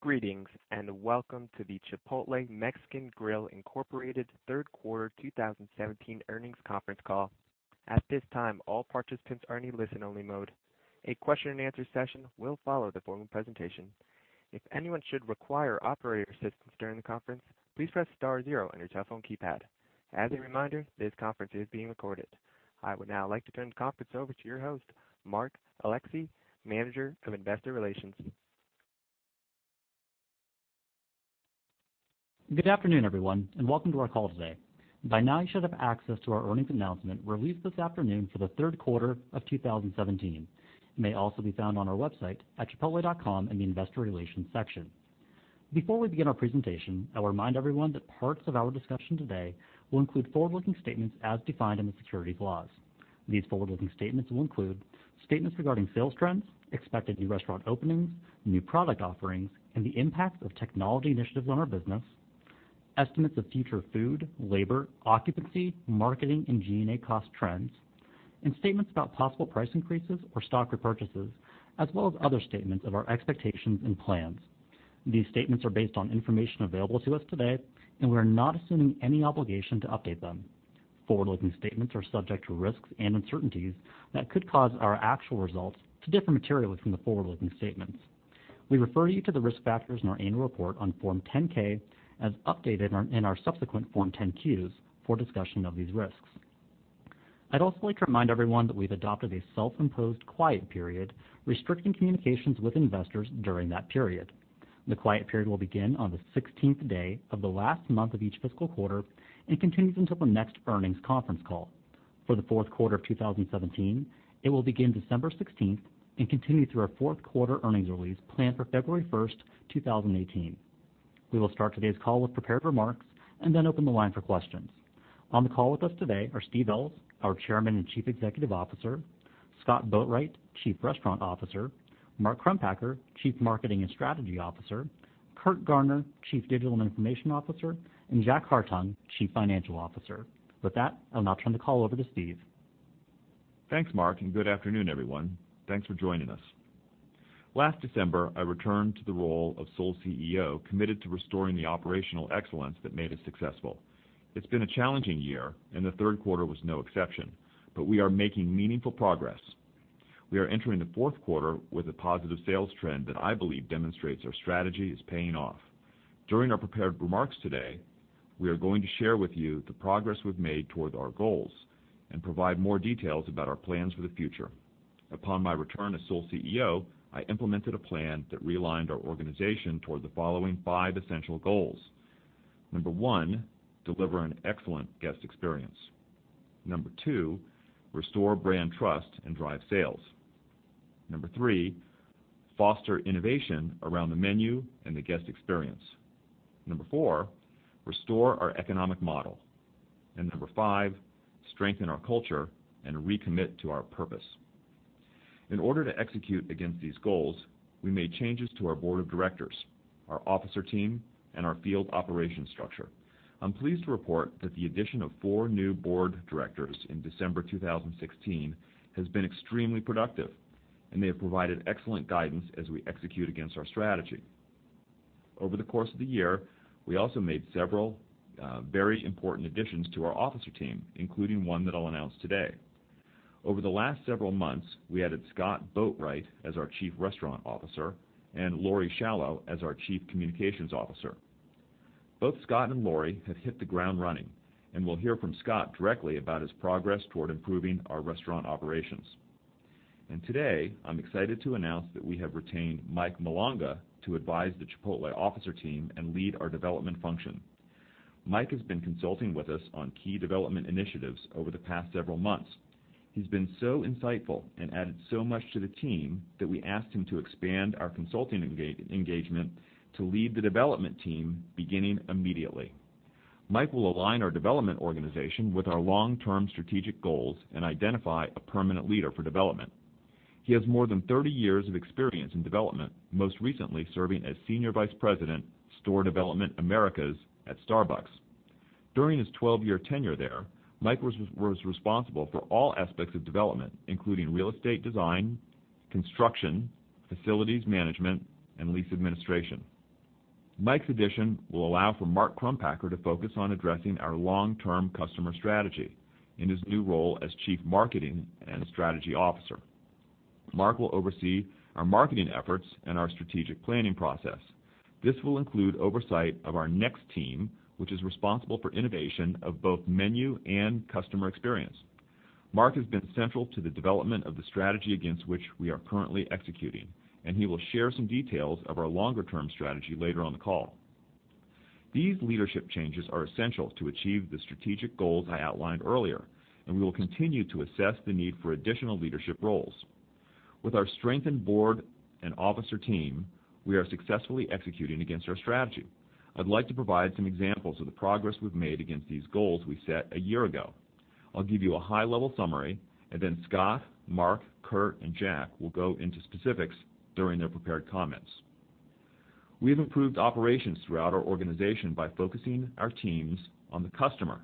Greetings, welcome to the Chipotle Mexican Grill, Inc. third quarter 2017 earnings conference call. At this time, all participants are in listen-only mode. A question and answer session will follow the formal presentation. If anyone should require operator assistance during the conference, please press star zero on your telephone keypad. As a reminder, this conference is being recorded. I would now like to turn the conference over to your host, Mark Alexee, Manager of Investor Relations. Good afternoon, everyone, welcome to our call today. By now, you should have access to our earnings announcement released this afternoon for the third quarter of 2017. It may also be found on our website at chipotle.com in the investor relations section. Before we begin our presentation, I'll remind everyone that parts of our discussion today will include forward-looking statements as defined in the securities laws. These forward-looking statements will include statements regarding sales trends, expected new restaurant openings, new product offerings, and the impact of technology initiatives on our business, estimates of future food, labor, occupancy, marketing, and G&A cost trends, and statements about possible price increases or stock repurchases, as well as other statements of our expectations and plans. These statements are based on information available to us today, and we are not assuming any obligation to update them. Forward-looking statements are subject to risks and uncertainties that could cause our actual results to differ materially from the forward-looking statements. We refer you to the risk factors in our annual report on Form 10-K as updated in our subsequent Form 10-Qs for a discussion of these risks. I'd also like to remind everyone that we've adopted a self-imposed quiet period restricting communications with investors during that period. The quiet period will begin on the 16th day of the last month of each fiscal quarter and continues until the next earnings conference call. For the fourth quarter of 2017, it will begin December 16th and continue through our fourth quarter earnings release planned for February 1st, 2018. We will start today's call with prepared remarks and then open the line for questions. On the call with us today are Steve Ells, our Chairman and Chief Executive Officer, Scott Boatwright, Chief Restaurant Officer, Mark Crumpacker, Chief Marketing and Strategy Officer, Curt Garner, Chief Digital and Information Officer, and Jack Hartung, Chief Financial Officer. With that, I'll now turn the call over to Steve. Thanks, Mark. Good afternoon, everyone. Thanks for joining us. Last December, I returned to the role of sole CEO, committed to restoring the operational excellence that made us successful. It has been a challenging year and the third quarter was no exception, but we are making meaningful progress. We are entering the fourth quarter with a positive sales trend that I believe demonstrates our strategy is paying off. During our prepared remarks today, we are going to share with you the progress we have made toward our goals and provide more details about our plans for the future. Upon my return as sole CEO, I implemented a plan that realigned our organization toward the following five essential goals. Number one, deliver an excellent guest experience. Number two, restore brand trust and drive sales. Number three, foster innovation around the menu and the guest experience. Number four, restore our economic model. Number five, strengthen our culture and recommit to our purpose. In order to execute against these goals, we made changes to our board of directors, our officer team, and our field operation structure. I am pleased to report that the addition of four new board directors in December 2016 has been extremely productive, and they have provided excellent guidance as we execute against our strategy. Over the course of the year, we also made several very important additions to our officer team, including one that I will announce today. Over the last several months, we added Scott Boatwright as our Chief Restaurant Officer and Laurie Schalow as our Chief Communications Officer. Both Scott and Laurie have hit the ground running, and we will hear from Scott directly about his progress toward improving our restaurant operations. Today, I am excited to announce that we have retained Mike Malanga to advise the Chipotle officer team and lead our development function. Mike has been consulting with us on key development initiatives over the past several months. He has been so insightful and added so much to the team that we asked him to expand our consulting engagement to lead the development team beginning immediately. Mike will align our development organization with our long-term strategic goals and identify a permanent leader for development. He has more than 30 years of experience in development, most recently serving as senior vice president, store development, Americas at Starbucks. During his 12-year tenure there, Mike was responsible for all aspects of development, including real estate design, construction, facilities management, and lease administration. Mike's addition will allow for Mark Crumpacker to focus on addressing our long-term customer strategy in his new role as Chief Marketing and Strategy Officer. Mark will oversee our marketing efforts and our strategic planning process. This will include oversight of our Next team, which is responsible for innovation of both menu and customer experience. Mark has been central to the development of the strategy against which we are currently executing. He will share some details of our longer-term strategy later on the call. These leadership changes are essential to achieve the strategic goals I outlined earlier. We will continue to assess the need for additional leadership roles. With our strengthened board and officer team, we are successfully executing against our strategy. I would like to provide some examples of the progress we have made against these goals we set a year ago. I'll give you a high-level summary. Then Scott, Mark, Curt, and Jack will go into specifics during their prepared comments. We've improved operations throughout our organization by focusing our teams on the customer,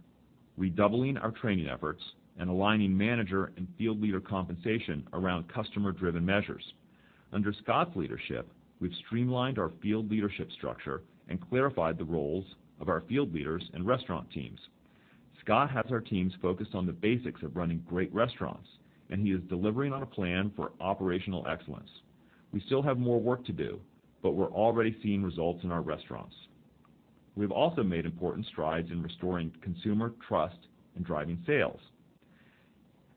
redoubling our training efforts, and aligning manager and field leader compensation around customer-driven measures. Under Scott's leadership, we've streamlined our field leadership structure and clarified the roles of our field leaders and restaurant teams. Scott has our teams focused on the basics of running great restaurants. He is delivering on a plan for operational excellence. We still have more work to do, but we're already seeing results in our restaurants. We've also made important strides in restoring consumer trust and driving sales.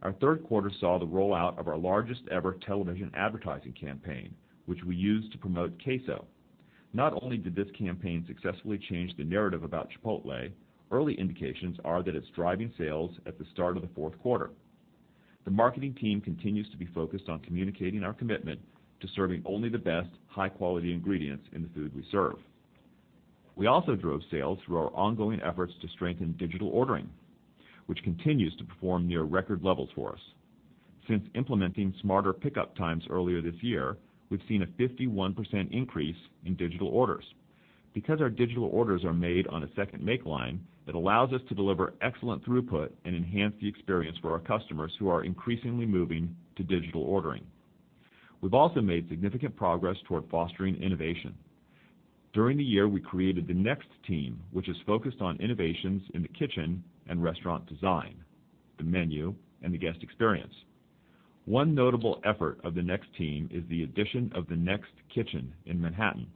Our third quarter saw the rollout of our largest-ever television advertising campaign, which we used to promote queso. Not only did this campaign successfully change the narrative about Chipotle, early indications are that it's driving sales at the start of the fourth quarter. The marketing team continues to be focused on communicating our commitment to serving only the best, high-quality ingredients in the food we serve. We also drove sales through our ongoing efforts to strengthen digital ordering, which continues to perform near record levels for us. Since implementing Smarter Pickup Times earlier this year, we've seen a 51% increase in digital orders. Our digital orders are made on a second make line, it allows us to deliver excellent throughput and enhance the experience for our customers who are increasingly moving to digital ordering. We've also made significant progress toward fostering innovation. During the year, we created the Next team, which is focused on innovations in the kitchen and restaurant design, the menu, and the guest experience. One notable effort of the Next team is the addition of the Next Kitchen in Manhattan.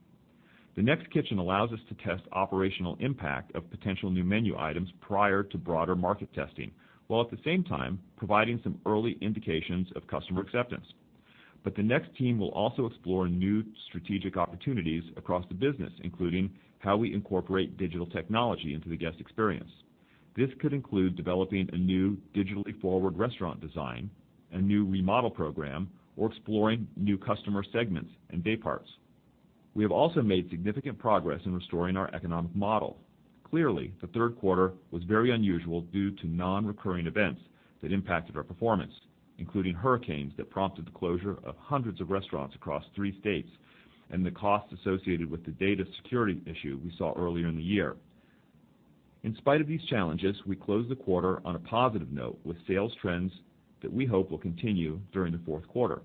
The Next Kitchen allows us to test operational impact of potential new menu items prior to broader market testing, while at the same time providing some early indications of customer acceptance. The Next team will also explore new strategic opportunities across the business, including how we incorporate digital technology into the guest experience. This could include developing a new digitally forward restaurant design, a new remodel program, or exploring new customer segments and day parts. We have also made significant progress in restoring our economic model. Clearly, the third quarter was very unusual due to non-recurring events that impacted our performance, including hurricanes that prompted the closure of hundreds of restaurants across three states and the costs associated with the data security issue we saw earlier in the year. In spite of these challenges, we closed the quarter on a positive note with sales trends that we hope will continue during the fourth quarter.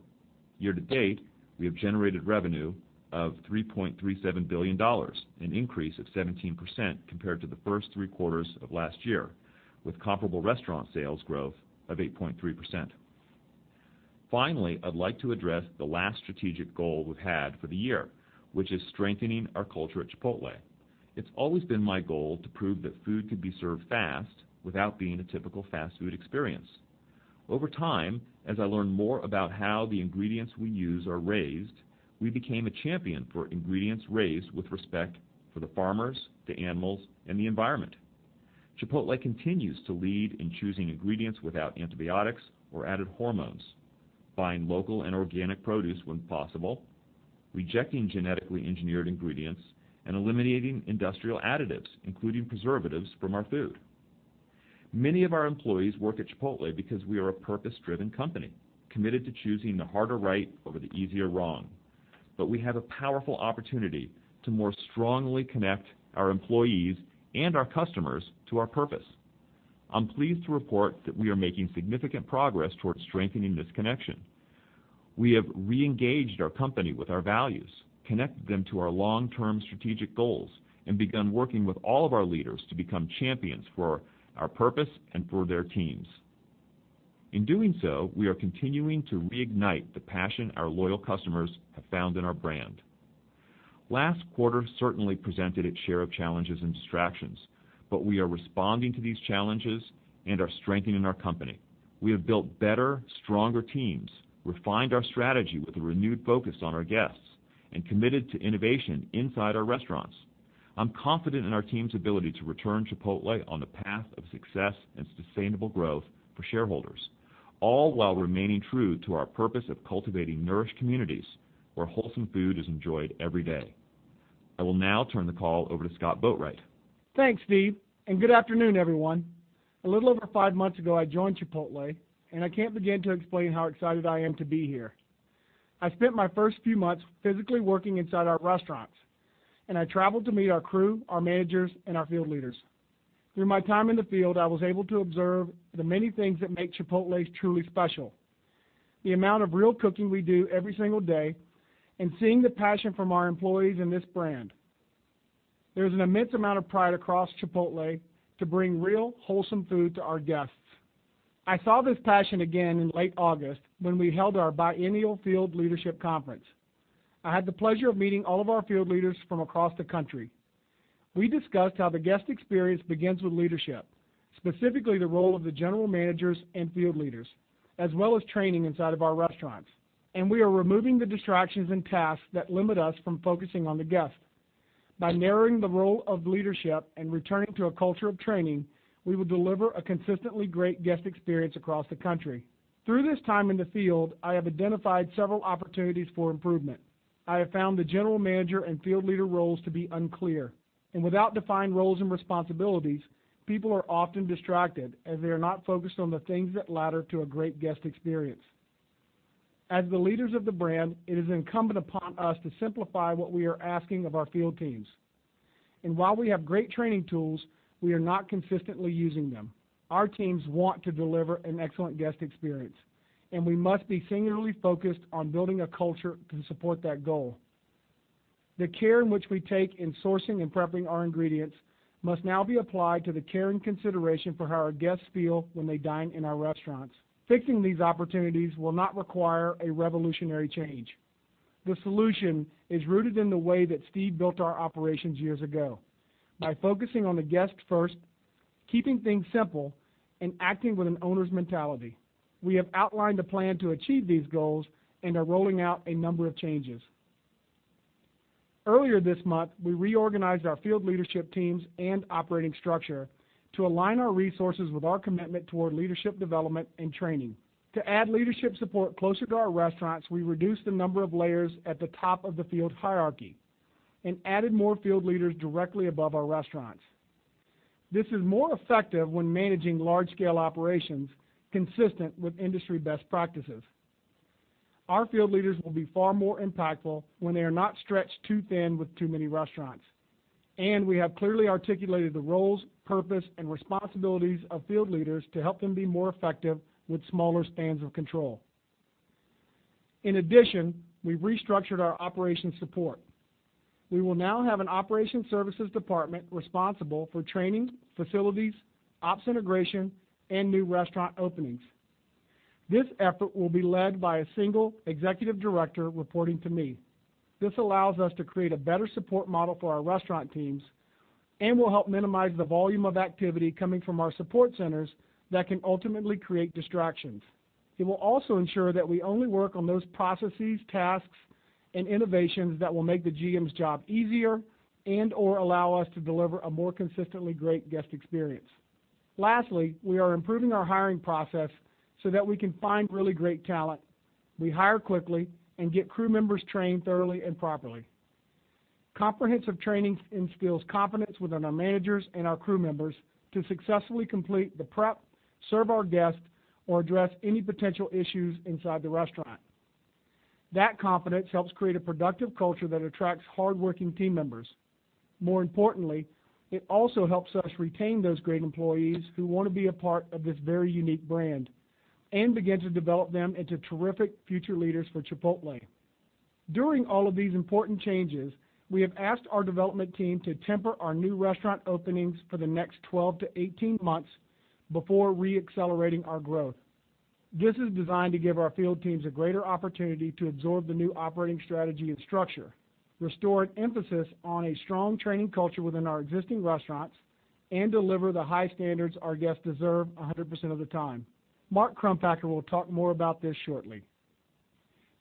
Year-to-date, we have generated revenue of $3.37 billion, an increase of 17% compared to the first three quarters of last year, with comparable restaurant sales growth of 8.3%. Finally, I'd like to address the last strategic goal we've had for the year, which is strengthening our culture at Chipotle. It's always been my goal to prove that food could be served fast without being a typical fast food experience. Over time, as I learned more about how the ingredients we use are raised, we became a champion for ingredients raised with respect for the farmers, the animals, and the environment. Chipotle continues to lead in choosing ingredients without antibiotics or added hormones, buying local and organic produce when possible, rejecting genetically engineered ingredients, and eliminating industrial additives, including preservatives, from our food. Many of our employees work at Chipotle because we are a purpose-driven company, committed to choosing the harder right over the easier wrong. We have a powerful opportunity to more strongly connect our employees and our customers to our purpose. I'm pleased to report that we are making significant progress towards strengthening this connection. We have re-engaged our company with our values, connected them to our long-term strategic goals, and begun working with all of our leaders to become champions for our purpose and for their teams. In doing so, we are continuing to reignite the passion our loyal customers have found in our brand. Last quarter certainly presented its share of challenges and distractions, but we are responding to these challenges and are strengthening our company. We have built better, stronger teams, refined our strategy with a renewed focus on our guests, and committed to innovation inside our restaurants. I'm confident in our team's ability to return Chipotle on a path of success and sustainable growth for shareholders, all while remaining true to our purpose of cultivating nourished communities where wholesome food is enjoyed every day. I will now turn the call over to Scott Boatwright. Thanks, Steve, and good afternoon, everyone. A little over five months ago, I joined Chipotle, and I can't begin to explain how excited I am to be here. I spent my first few months physically working inside our restaurants, and I traveled to meet our crew, our managers, and our field leaders. Through my time in the field, I was able to observe the many things that make Chipotle truly special. The amount of real cooking we do every single day and seeing the passion from our employees in this brand. There's an immense amount of pride across Chipotle to bring real, wholesome food to our guests. I saw this passion again in late August when we held our biennial field leadership conference. I had the pleasure of meeting all of our field leaders from across the country. We discussed how the guest experience begins with leadership, specifically the role of the general managers and field leaders, as well as training inside of our restaurants. We are removing the distractions and tasks that limit us from focusing on the guest. By narrowing the role of leadership and returning to a culture of training, we will deliver a consistently great guest experience across the country. Through this time in the field, I have identified several opportunities for improvement. I have found the general manager and field leader roles to be unclear, and without defined roles and responsibilities, people are often distracted as they are not focused on the things that ladder to a great guest experience. As the leaders of the brand, it is incumbent upon us to simplify what we are asking of our field teams. While we have great training tools, we are not consistently using them. Our teams want to deliver an excellent guest experience, and we must be singularly focused on building a culture to support that goal. The care in which we take in sourcing and prepping our ingredients must now be applied to the care and consideration for how our guests feel when they dine in our restaurants. Fixing these opportunities will not require a revolutionary change. The solution is rooted in the way that Steve built our operations years ago. By focusing on the guest first, keeping things simple, and acting with an owner's mentality. We have outlined a plan to achieve these goals and are rolling out a number of changes. Earlier this month, we reorganized our field leadership teams and operating structure to align our resources with our commitment toward leadership development and training. To add leadership support closer to our restaurants, we reduced the number of layers at the top of the field hierarchy and added more field leaders directly above our restaurants. This is more effective when managing large-scale operations consistent with industry best practices. Our field leaders will be far more impactful when they are not stretched too thin with too many restaurants. We have clearly articulated the roles, purpose, and responsibilities of field leaders to help them be more effective with smaller spans of control. In addition, we've restructured our operations support. We will now have an operations services department responsible for training, facilities, ops integration, and new restaurant openings. This effort will be led by a single executive director reporting to me. This allows us to create a better support model for our restaurant teams and will help minimize the volume of activity coming from our support centers that can ultimately create distractions. It will also ensure that we only work on those processes, tasks, and innovations that will make the GM's job easier and/or allow us to deliver a more consistently great guest experience. Lastly, we are improving our hiring process so that we can find really great talent, we hire quickly, and get crew members trained thoroughly and properly. Comprehensive training instills confidence within our managers and our crew members to successfully complete the prep, serve our guests, or address any potential issues inside the restaurant. That confidence helps create a productive culture that attracts hardworking team members. More importantly, it also helps us retain those great employees who want to be a part of this very unique brand and begin to develop them into terrific future leaders for Chipotle. During all of these important changes, we have asked our development team to temper our new restaurant openings for the next 12-18 months before re-accelerating our growth. This is designed to give our field teams a greater opportunity to absorb the new operating strategy and structure, restore an emphasis on a strong training culture within our existing restaurants, and deliver the high standards our guests deserve 100% of the time. Mark Crumpacker will talk more about this shortly.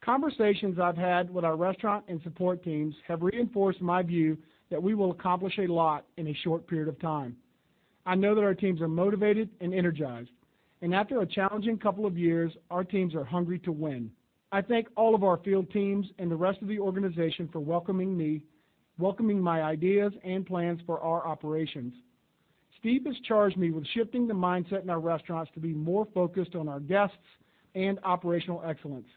Conversations I've had with our restaurant and support teams have reinforced my view that we will accomplish a lot in a short period of time. I know that our teams are motivated and energized, and after a challenging couple of years, our teams are hungry to win. I thank all of our field teams and the rest of the organization for welcoming me, welcoming my ideas, and plans for our operations. Steve has charged me with shifting the mindset in our restaurants to be more focused on our guests and operational excellence.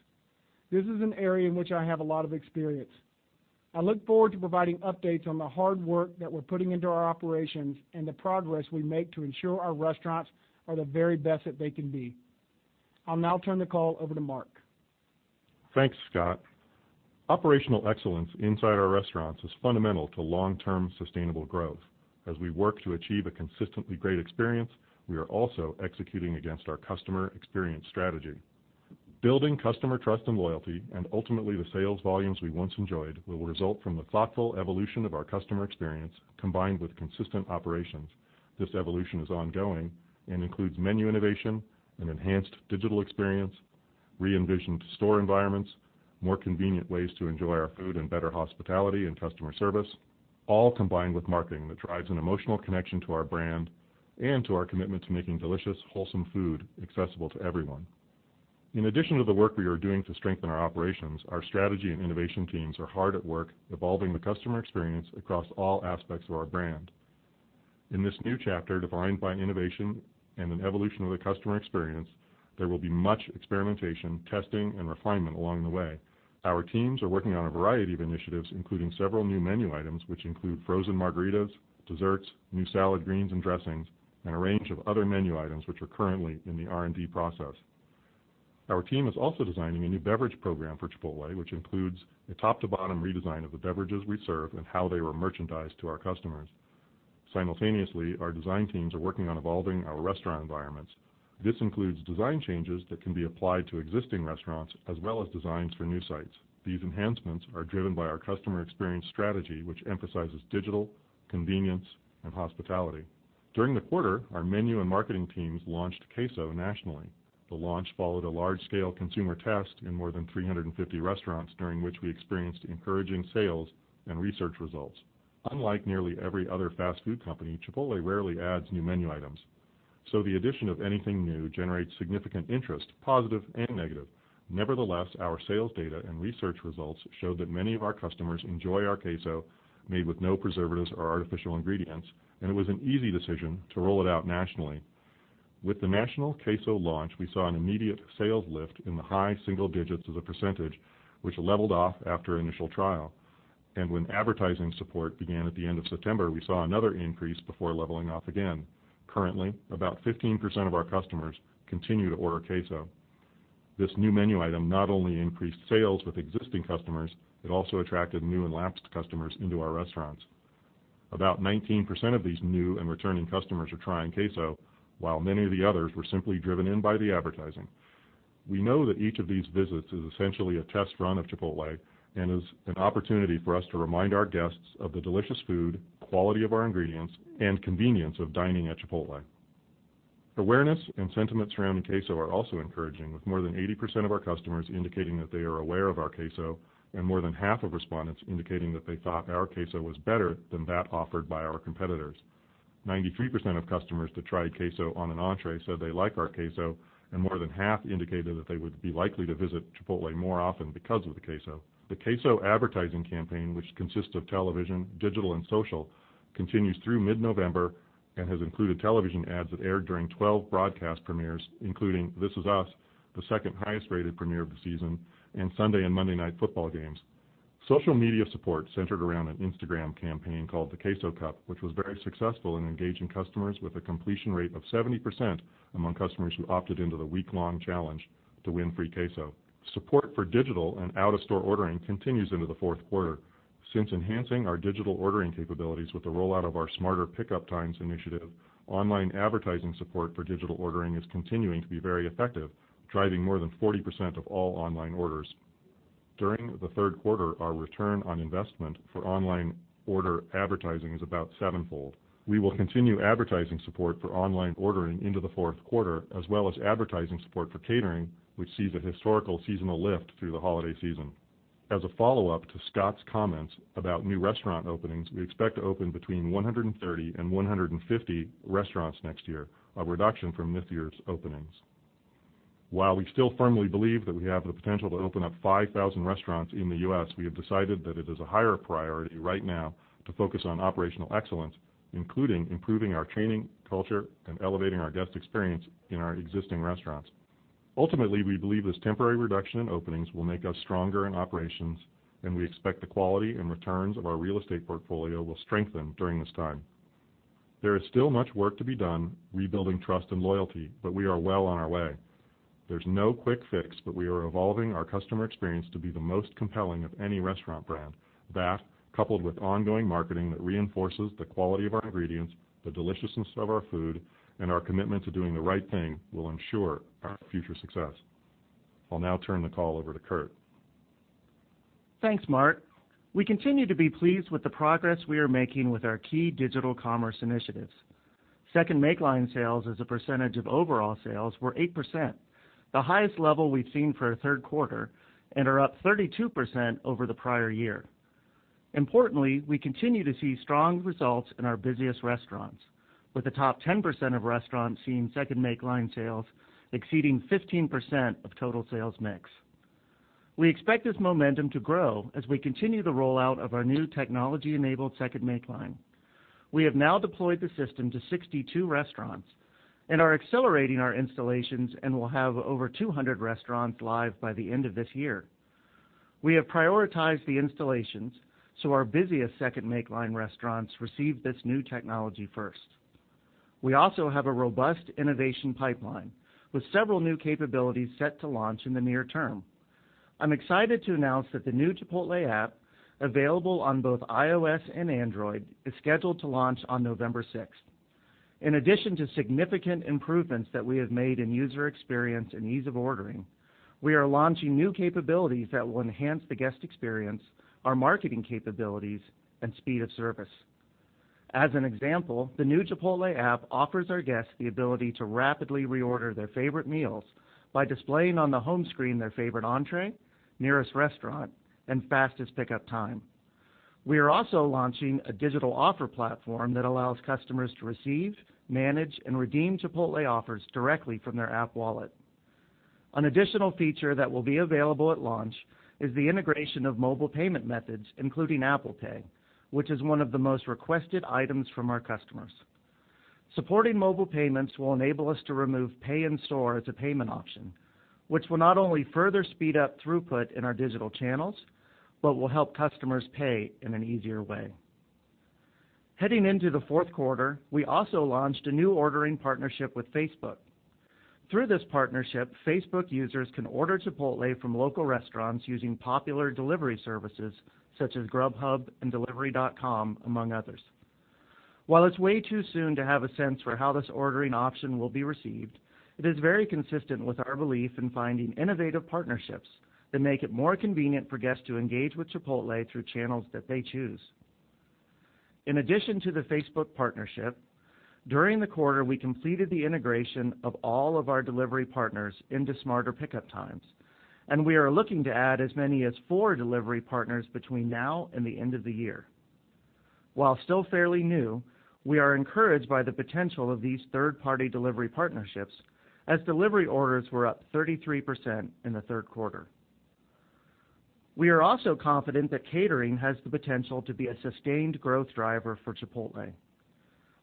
This is an area in which I have a lot of experience. I look forward to providing updates on the hard work that we're putting into our operations and the progress we make to ensure our restaurants are the very best that they can be. I'll now turn the call over to Mark. Thanks, Scott. Operational excellence inside our restaurants is fundamental to long-term sustainable growth. As we work to achieve a consistently great experience, we are also executing against our customer experience strategy. Building customer trust and loyalty, and ultimately the sales volumes we once enjoyed, will result from the thoughtful evolution of our customer experience, combined with consistent operations. This evolution is ongoing and includes menu innovation, an enhanced digital experience, re-envisioned store environments, more convenient ways to enjoy our food, and better hospitality and customer service, all combined with marketing that drives an emotional connection to our brand and to our commitment to making delicious, wholesome food accessible to everyone. In addition to the work we are doing to strengthen our operations, our strategy and innovation teams are hard at work evolving the customer experience across all aspects of our brand. In this new chapter defined by innovation and an evolution of the customer experience, there will be much experimentation, testing, and refinement along the way. Our teams are working on a variety of initiatives, including several new menu items, which include frozen margaritas, desserts, new salad greens and dressings, and a range of other menu items which are currently in the R&D process. Our team is also designing a new beverage program for Chipotle, which includes a top-to-bottom redesign of the beverages we serve and how they are merchandised to our customers. Simultaneously, our design teams are working on evolving our restaurant environments. This includes design changes that can be applied to existing restaurants as well as designs for new sites. These enhancements are driven by our customer experience strategy, which emphasizes digital, convenience, and hospitality. During the quarter, our menu and marketing teams launched queso nationally. The launch followed a large-scale consumer test in more than 350 restaurants, during which we experienced encouraging sales and research results. Unlike nearly every other fast food company, Chipotle rarely adds new menu items, so the addition of anything new generates significant interest, positive and negative. Nevertheless, our sales data and research results show that many of our customers enjoy our queso made with no preservatives or artificial ingredients, and it was an easy decision to roll it out nationally. With the national queso launch, we saw an immediate sales lift in the high single digits as a percentage, which leveled off after initial trial. When advertising support began at the end of September, we saw another increase before leveling off again. Currently, about 15% of our customers continue to order queso. This new menu item not only increased sales with existing customers, it also attracted new and lapsed customers into our restaurants. About 19% of these new and returning customers are trying queso, while many of the others were simply driven in by the advertising. We know that each of these visits is essentially a test run of Chipotle and is an opportunity for us to remind our guests of the delicious food, quality of our ingredients, and convenience of dining at Chipotle. Awareness and sentiment surrounding queso are also encouraging, with more than 80% of our customers indicating that they are aware of our queso and more than half of respondents indicating that they thought our queso was better than that offered by our competitors. 93% of customers that tried queso on an entrée said they like our queso, and more than half indicated that they would be likely to visit Chipotle more often because of the queso. The queso advertising campaign, which consists of television, digital, and social, continues through mid-November and has included television ads that aired during 12 broadcast premieres, including "This Is Us," the second highest-rated premiere of the season, and Sunday and Monday night football games. Social media support centered around an Instagram campaign called the Queso Cup, which was very successful in engaging customers with a completion rate of 70% among customers who opted into the week-long challenge to win free queso. Support for digital and out-of-store ordering continues into the fourth quarter. Since enhancing our digital ordering capabilities with the rollout of our Smarter Pickup Times initiative, online advertising support for digital ordering is continuing to be very effective, driving more than 40% of all online orders. During the third quarter, our return on investment for online order advertising is about sevenfold. We will continue advertising support for online ordering into the fourth quarter, as well as advertising support for catering, which sees a historical seasonal lift through the holiday season. As a follow-up to Scott's comments about new restaurant openings, we expect to open between 130 and 150 restaurants next year, a reduction from this year's openings. While we still firmly believe that we have the potential to open up 5,000 restaurants in the U.S., we have decided that it is a higher priority right now to focus on operational excellence, including improving our training, culture, and elevating our guest experience in our existing restaurants. Ultimately, we believe this temporary reduction in openings will make us stronger in operations, and we expect the quality and returns of our real estate portfolio will strengthen during this time. There is still much work to be done rebuilding trust and loyalty, we are well on our way. There's no quick fix, we are evolving our customer experience to be the most compelling of any restaurant brand. That, coupled with ongoing marketing that reinforces the quality of our ingredients, the deliciousness of our food, and our commitment to doing the right thing, will ensure our future success. I'll now turn the call over to Curt. Thanks, Mark. We continue to be pleased with the progress we are making with our key digital commerce initiatives. Second make line sales as a percentage of overall sales were 8%, the highest level we've seen for a third quarter, and are up 32% over the prior year. Importantly, we continue to see strong results in our busiest restaurants, with the top 10% of restaurants seeing second make line sales exceeding 15% of total sales mix. We expect this momentum to grow as we continue the rollout of our new technology-enabled second make line. We have now deployed the system to 62 restaurants and are accelerating our installations and will have over 200 restaurants live by the end of this year. We have prioritized the installations, so our busiest second make line restaurants receive this new technology first. We also have a robust innovation pipeline with several new capabilities set to launch in the near term. I'm excited to announce that the new Chipotle app, available on both iOS and Android, is scheduled to launch on November 6th. In addition to significant improvements that we have made in user experience and ease of ordering, we are launching new capabilities that will enhance the guest experience, our marketing capabilities, and speed of service. As an example, the new Chipotle app offers our guests the ability to rapidly reorder their favorite meals by displaying on the home screen their favorite entrée, nearest restaurant, and fastest pickup time. We are also launching a digital offer platform that allows customers to receive, manage, and redeem Chipotle offers directly from their app wallet. An additional feature that will be available at launch is the integration of mobile payment methods, including Apple Pay, which is one of the most requested items from our customers. Supporting mobile payments will enable us to remove pay in-store as a payment option, which will not only further speed up throughput in our digital channels, but will help customers pay in an easier way. Heading into the fourth quarter, we also launched a new ordering partnership with Facebook. Through this partnership, Facebook users can order Chipotle from local restaurants using popular delivery services such as Grubhub and delivery.com, among others. While it's way too soon to have a sense for how this ordering option will be received, it is very consistent with our belief in finding innovative partnerships that make it more convenient for guests to engage with Chipotle through channels that they choose. In addition to the Facebook partnership, during the quarter, we completed the integration of all of our delivery partners into Smarter Pickup Times, we are looking to add as many as four delivery partners between now and the end of the year. While still fairly new, we are encouraged by the potential of these third-party delivery partnerships, as delivery orders were up 33% in the third quarter. We are also confident that catering has the potential to be a sustained growth driver for Chipotle.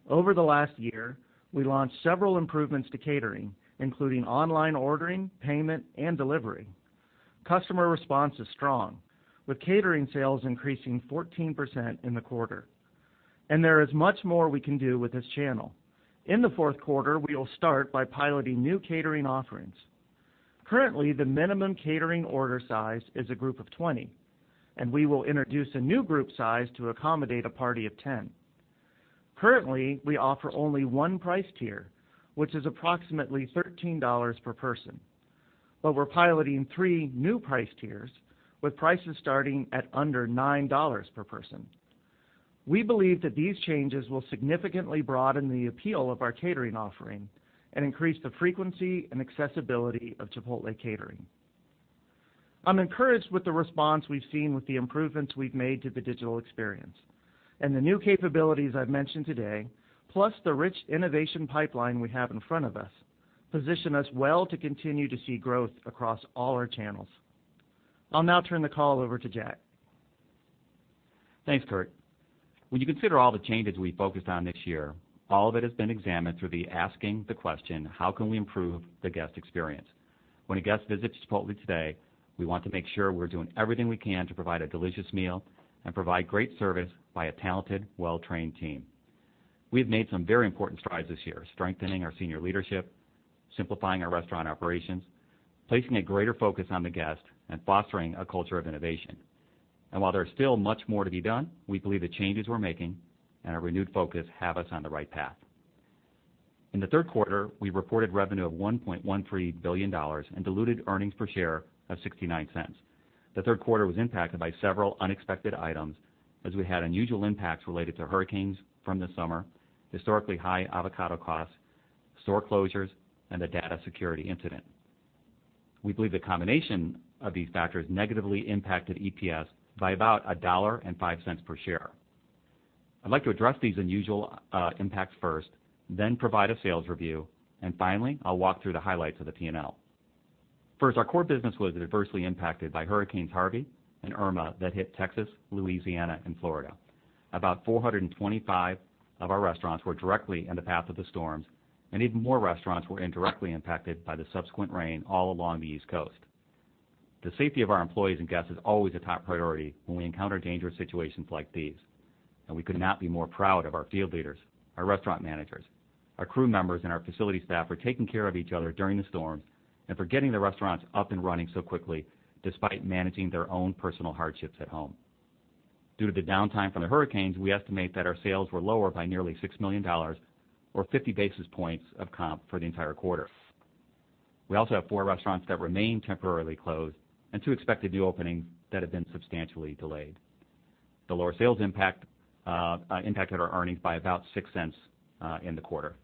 Over the last year, we launched several improvements to catering, including online ordering, payment, and delivery. Customer response is strong, with catering sales increasing 14% in the quarter. There is much more we can do with this channel. In the fourth quarter, we will start by piloting new catering offerings. Currently, the minimum catering order size is a group of 20, and we will introduce a new group size to accommodate a party of 10. Currently, we offer only one price tier, which is approximately $13 per person. We're piloting 3 new price tiers, with prices starting at under $9 per person. We believe that these changes will significantly broaden the appeal of our catering offering and increase the frequency and accessibility of Chipotle catering. I'm encouraged with the response we've seen with the improvements we've made to the digital experience and the new capabilities I've mentioned today, plus the rich innovation pipeline we have in front of us, position us well to continue to see growth across all our channels. I'll now turn the call over to Jack. Thanks, Curt. When you consider all the changes we focused on this year, all of it has been examined through the asking the question: how can we improve the guest experience? When a guest visits Chipotle today, we want to make sure we're doing everything we can to provide a delicious meal and provide great service by a talented, well-trained team. We have made some very important strides this year, strengthening our senior leadership, simplifying our restaurant operations, placing a greater focus on the guest, and fostering a culture of innovation. While there's still much more to be done, we believe the changes we're making and our renewed focus have us on the right path. In the third quarter, we reported revenue of $1.13 billion and diluted earnings per share of $0.69. The third quarter was impacted by several unexpected items as we had unusual impacts related to hurricanes from the summer, historically high avocado costs, store closures, and a data security incident. We believe the combination of these factors negatively impacted EPS by about $1.05 per share. I'd like to address these unusual impacts first, then provide a sales review, and finally, I'll walk through the highlights of the P&L. First, our core business was adversely impacted by Hurricanes Harvey and Irma that hit Texas, Louisiana, and Florida. About 425 of our restaurants were directly in the path of the storms, and even more restaurants were indirectly impacted by the subsequent rain all along the East Coast. The safety of our employees and guests is always a top priority when we encounter dangerous situations like these. We could not be more proud of our field leaders, our restaurant managers, our crew members, and our facility staff for taking care of each other during the storms and for getting the restaurants up and running so quickly despite managing their own personal hardships at home. Due to the downtime from the hurricanes, we estimate that our sales were lower by nearly $6 million, or 50 basis points of comp for the entire quarter. We also have four restaurants that remain temporarily closed and two expected new openings that have been substantially delayed. The lower sales impacted our earnings by about $0.06 in the quarter.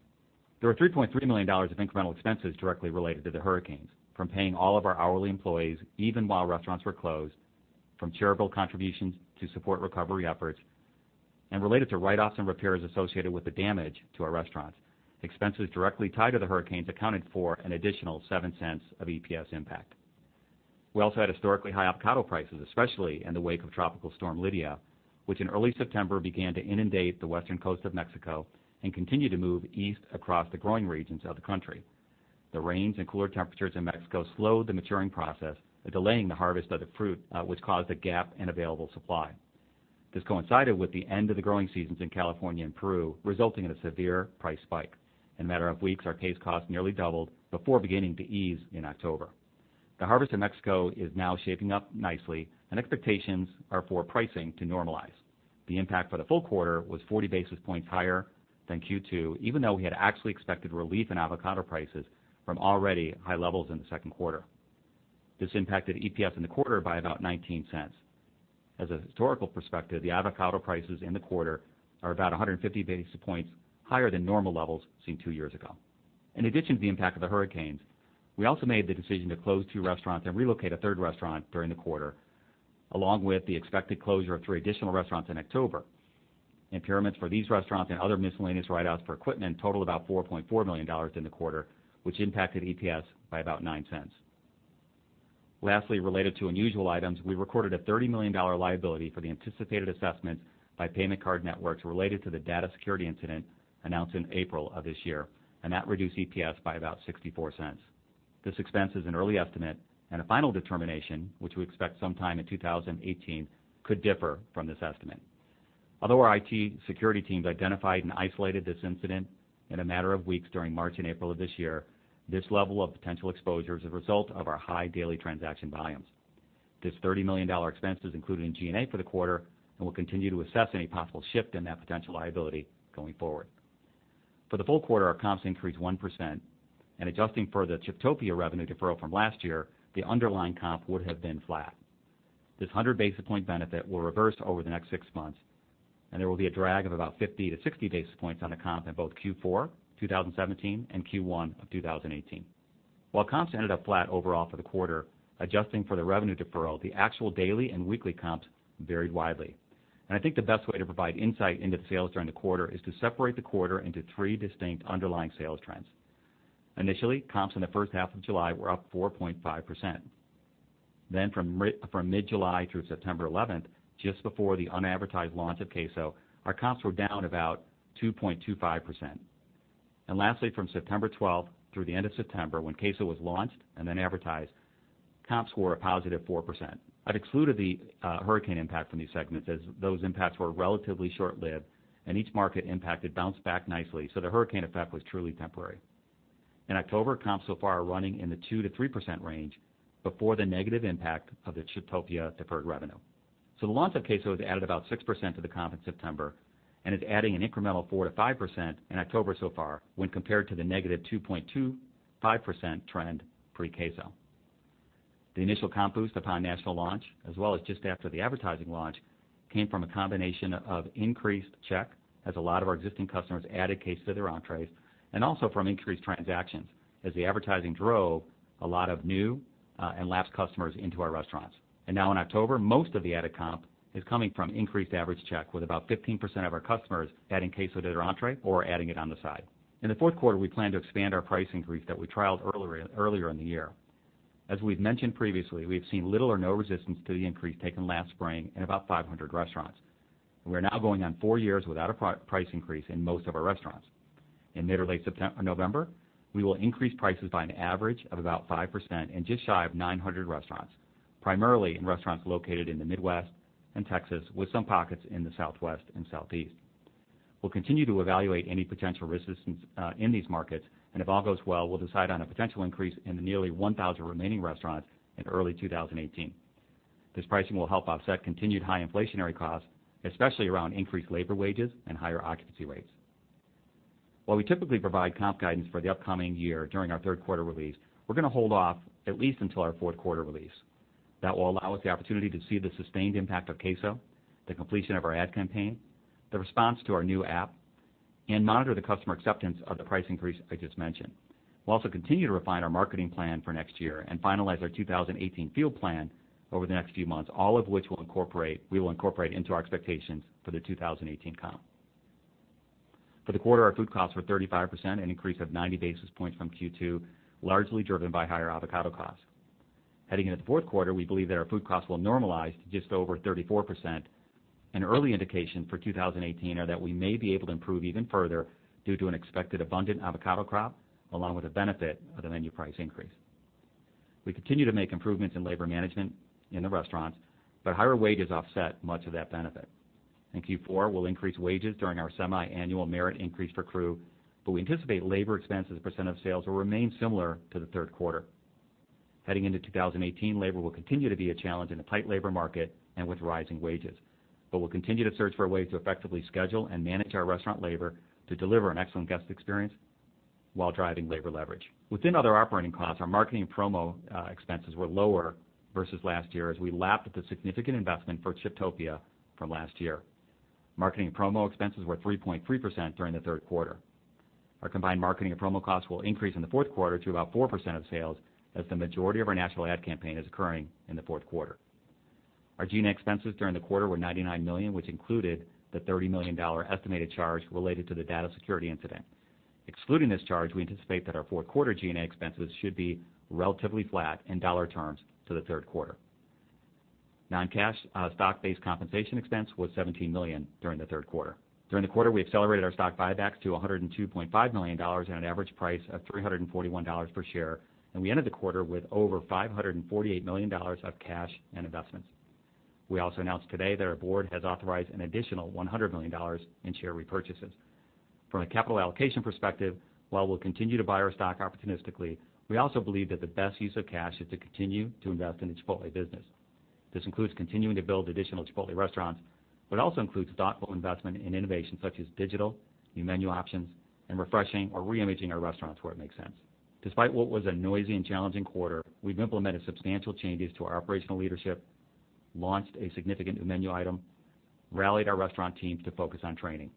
There were $3.3 million of incremental expenses directly related to the hurricanes, from paying all of our hourly employees even while restaurants were closed, from charitable contributions to support recovery efforts, and related to write-offs and repairs associated with the damage to our restaurants. Expenses directly tied to the hurricanes accounted for an additional $0.07 of EPS impact. We also had historically high avocado prices, especially in the wake of Tropical Storm Lidia, which in early September began to inundate the western coast of Mexico and continued to move east across the growing regions of the country. The rains and cooler temperatures in Mexico slowed the maturing process, delaying the harvest of the fruit, which caused a gap in available supply. This coincided with the end of the growing seasons in California and Peru, resulting in a severe price spike. In a matter of weeks, our case cost nearly doubled before beginning to ease in October. Expectations are for pricing to normalize. The impact for the full quarter was 40 basis points higher than Q2, even though we had actually expected relief in avocado prices from already high levels in the second quarter. This impacted EPS in the quarter by about $0.19. As a historical perspective, the avocado prices in the quarter are about 150 basis points higher than normal levels seen two years ago. In addition to the impact of the hurricanes, we also made the decision to close two restaurants and relocate a third restaurant during the quarter, along with the expected closure of three additional restaurants in October. Impairments for these restaurants and other miscellaneous write-offs for equipment totaled about $4.4 million in the quarter, which impacted EPS by about $0.09. Related to unusual items, we recorded a $30 million liability for the anticipated assessment by payment card networks related to the data security incident announced in April of this year. That reduced EPS by about $0.64. This expense is an early estimate, and a final determination, which we expect sometime in 2018, could differ from this estimate. Although our IT security teams identified and isolated this incident in a matter of weeks during March and April of this year, this level of potential exposure is a result of our high daily transaction volumes. This $30 million expense is included in G&A for the quarter. We'll continue to assess any possible shift in that potential liability going forward. For the full quarter, our comps increased 1%. Adjusting for the Chiptopia revenue deferral from last year, the underlying comp would have been flat. This 100 basis point benefit will reverse over the next six months, there will be a drag of about 50 to 60 basis points on the comp in both Q4 2017 and Q1 of 2018. While comps ended up flat overall for the quarter, adjusting for the revenue deferral, the actual daily and weekly comps varied widely. I think the best way to provide insight into the sales during the quarter is to separate the quarter into three distinct underlying sales trends. Initially, comps in the first half of July were up 4.5%. From mid-July through September 11th, just before the unadvertised launch of queso, our comps were down about 2.25%. Lastly, from September 12th through the end of September, when queso was launched and then advertised, comps were a positive 4%. I've excluded the hurricane impact from these segments as those impacts were relatively short-lived, and each market impacted bounced back nicely. The hurricane effect was truly temporary. In October, comps so far are running in the 2% to 3% range before the negative impact of the Chiptopia deferred revenue. The launch of queso has added about 6% to the comp in September, and is adding an incremental 4% to 5% in October so far when compared to the -2.25% trend pre-queso. The initial comp boost upon national launch, as well as just after the advertising launch, came from a combination of increased check, as a lot of our existing customers added queso to their entrees, and also from increased transactions, as the advertising drove a lot of new and lapsed customers into our restaurants. Now in October, most of the added comp is coming from increased average check, with about 15% of our customers adding queso to their entree or adding it on the side. In the fourth quarter, we plan to expand our price increase that we trialed earlier in the year. As we've mentioned previously, we've seen little or no resistance to the increase taken last spring in about 500 restaurants. We're now going on four years without a price increase in most of our restaurants. In mid or late November, we will increase prices by an average of about 5% in just shy of 900 restaurants, primarily in restaurants located in the Midwest and Texas, with some pockets in the Southwest and Southeast. We'll continue to evaluate any potential resistance in these markets, and if all goes well, we'll decide on a potential increase in the nearly 1,000 remaining restaurants in early 2018. This pricing will help offset continued high inflationary costs, especially around increased labor wages and higher occupancy rates. While we typically provide comp guidance for the upcoming year during our third quarter release, we're going to hold off at least until our fourth quarter release. That will allow us the opportunity to see the sustained impact of queso, the completion of our ad campaign, the response to our new app, and monitor the customer acceptance of the price increase I just mentioned. We'll also continue to refine our marketing plan for next year and finalize our 2018 field plan over the next few months, all of which we will incorporate into our expectations for the 2018 comp. For the quarter, our food costs were 35%, an increase of 90 basis points from Q2, largely driven by higher avocado costs. Heading into the fourth quarter, we believe that our food costs will normalize to just over 34%. An early indication for 2018 are that we may be able to improve even further due to an expected abundant avocado crop, along with the benefit of the menu price increase. We continue to make improvements in labor management in the restaurants, higher wages offset much of that benefit. In Q4, we'll increase wages during our semi-annual merit increase for crew, but we anticipate labor expense as a percent of sales will remain similar to the third quarter. Heading into 2018, labor will continue to be a challenge in a tight labor market and with rising wages. We'll continue to search for ways to effectively schedule and manage our restaurant labor to deliver an excellent guest experience while driving labor leverage. Within other operating costs, our marketing and promo expenses were lower versus last year as we lapped at the significant investment for Chiptopia from last year. Marketing and promo expenses were 3.3% during the third quarter. Our combined marketing and promo costs will increase in the fourth quarter to about 4% of sales, as the majority of our national ad campaign is occurring in the fourth quarter. Our G&A expenses during the quarter were $99 million, which included the $30 million estimated charge related to the data security incident. Excluding this charge, we anticipate that our fourth quarter G&A expenses should be relatively flat in dollar terms to the third quarter. Non-cash stock-based compensation expense was $17 million during the third quarter. During the quarter, we accelerated our stock buybacks to $102.5 million at an average price of $341 per share, and we ended the quarter with over $548 million of cash and investments. We also announced today that our board has authorized an additional $100 million in share repurchases. From a capital allocation perspective, while we'll continue to buy our stock opportunistically, we also believe that the best use of cash is to continue to invest in the Chipotle business. This includes continuing to build additional Chipotle restaurants, but also includes thoughtful investment in innovation such as digital, new menu options, and refreshing or reimaging our restaurants where it makes sense. Despite what was a noisy and challenging quarter, we've implemented substantial changes to our operational leadership, launched a significant new menu item, rallied our restaurant teams to focus on training.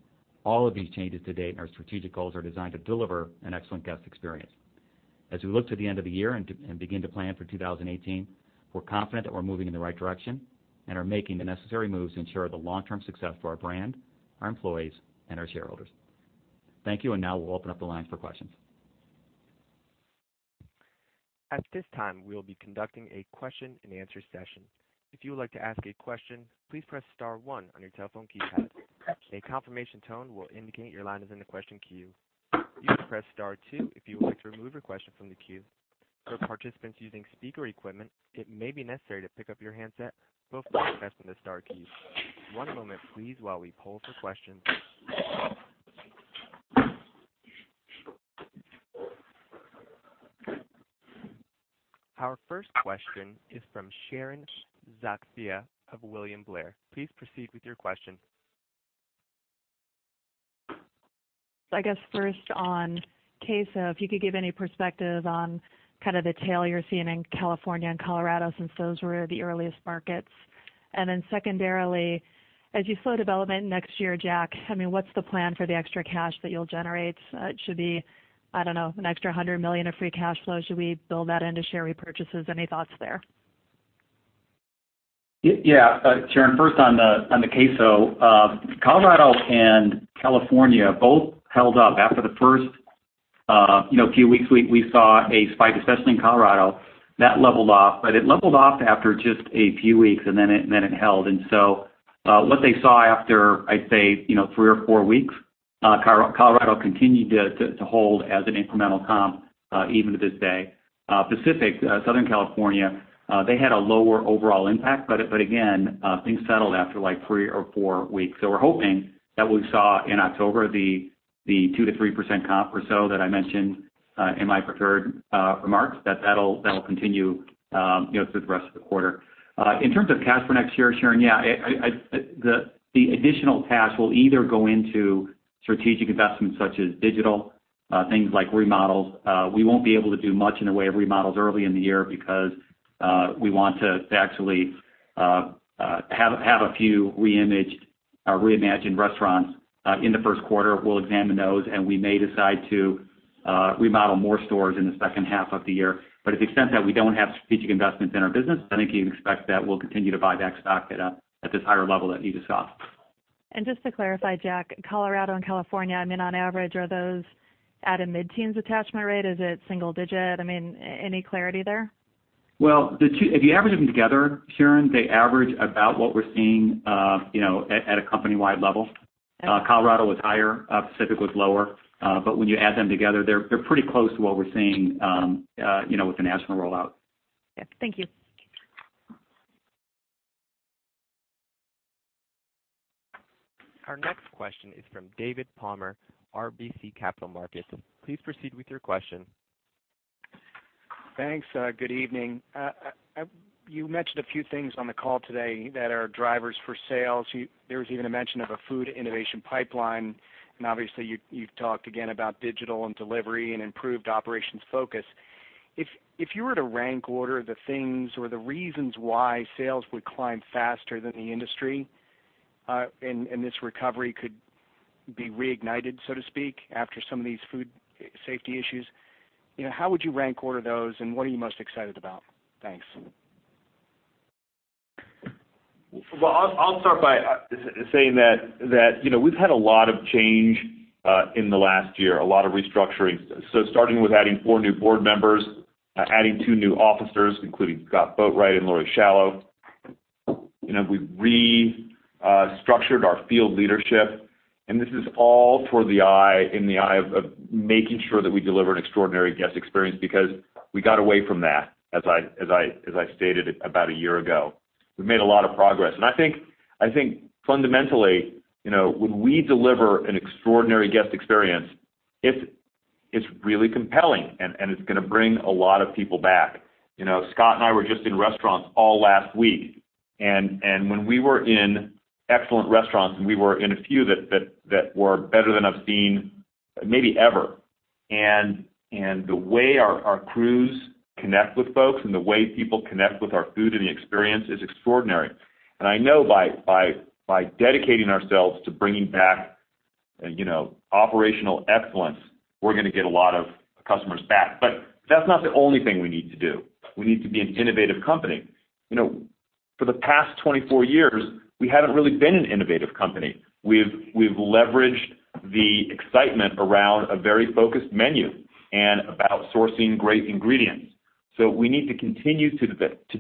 All of these changes to date and our strategic goals are designed to deliver an excellent guest experience. As we look to the end of the year and begin to plan for 2018, we're confident that we're moving in the right direction and are making the necessary moves to ensure the long-term success for our brand, our employees, and our shareholders. Thank you, and now we'll open up the line for questions. At this time, we will be conducting a question-and-answer session. If you would like to ask a question, please press *1 on your telephone keypad. A confirmation tone will indicate your line is in the question queue. You can press *2 if you would like to remove your question from the queue. For participants using speaker equipment, it may be necessary to pick up your handset both for asking the star key. One moment please while we poll for questions. Our first question is from Sharon Zackfia of William Blair. Please proceed with your question. I guess first on queso, if you could give any perspective on kind of the tail you're seeing in California and Colorado, since those were the earliest markets. Secondarily, as you slow development next year, Jack, I mean, what's the plan for the extra cash that you'll generate? Should the, I don't know, an extra $100 million of free cash flow, should we build that into share repurchases? Any thoughts there? Sharon, first on the queso. Colorado and California both held up after the first few weeks. We saw a spike, especially in Colorado. That leveled off, but it leveled off after just a few weeks, and then it held. What they saw after, I'd say, three or four weeks, Colorado continued to hold as an incremental comp even to this day. Pacific, Southern California, they had a lower overall impact, but again, things settled after three or four weeks. We're hoping that what we saw in October, the 2%-3% comp or so that I mentioned in my prepared remarks, that that'll continue through the rest of the quarter. In terms of cash for next year, Sharon, the additional cash will either go into strategic investments such as digital, things like remodels. We won't be able to do much in the way of remodels early in the year because we want to actually have a few re-imagined restaurants in the first quarter. We'll examine those, and we may decide to remodel more stores in the second half of the year. To the extent that we don't have strategic investments in our business, I think you can expect that we'll continue to buy back stock at this higher level that you just saw. Just to clarify, Jack, Colorado and California, on average, are those at a mid-teens attachment rate? Is it single digit? Any clarity there? Well, if you average them together, Sharon, they average about what we're seeing at a company-wide level. Okay. Colorado was higher, Pacific was lower. When you add them together, they're pretty close to what we're seeing with the national rollout. Yeah. Thank you. Our next question is from David Palmer, RBC Capital Markets. Please proceed with your question. Thanks. Good evening. You mentioned a few things on the call today that are drivers for sales. Obviously you've talked again about digital and delivery and improved operations focus. If you were to rank order the things or the reasons why sales would climb faster than the industry, this recovery could be reignited, so to speak, after some of these food safety issues, how would you rank order those and what are you most excited about? Thanks. Well, I'll start by saying that we've had a lot of change in the last year, a lot of restructuring. Starting with adding four new board members, adding two new officers, including Scott Boatwright and Laurie Schalow. We've restructured our field leadership, this is all toward in the eye of making sure that we deliver an extraordinary guest experience because we got away from that, as I stated about a year ago. We've made a lot of progress. I think fundamentally, when we deliver an extraordinary guest experience, it's really compelling and it's going to bring a lot of people back. Scott and I were just in restaurants all last week, and when we were in excellent restaurants, and we were in a few that were better than I've seen maybe ever. The way our crews connect with folks and the way people connect with our food and the experience is extraordinary. I know by dedicating ourselves to bringing back operational excellence, we're going to get a lot of customers back. That's not the only thing we need to do. We need to be an innovative company. For the past 24 years, we haven't really been an innovative company. We've leveraged the excitement around a very focused menu and about sourcing great ingredients. We need to continue to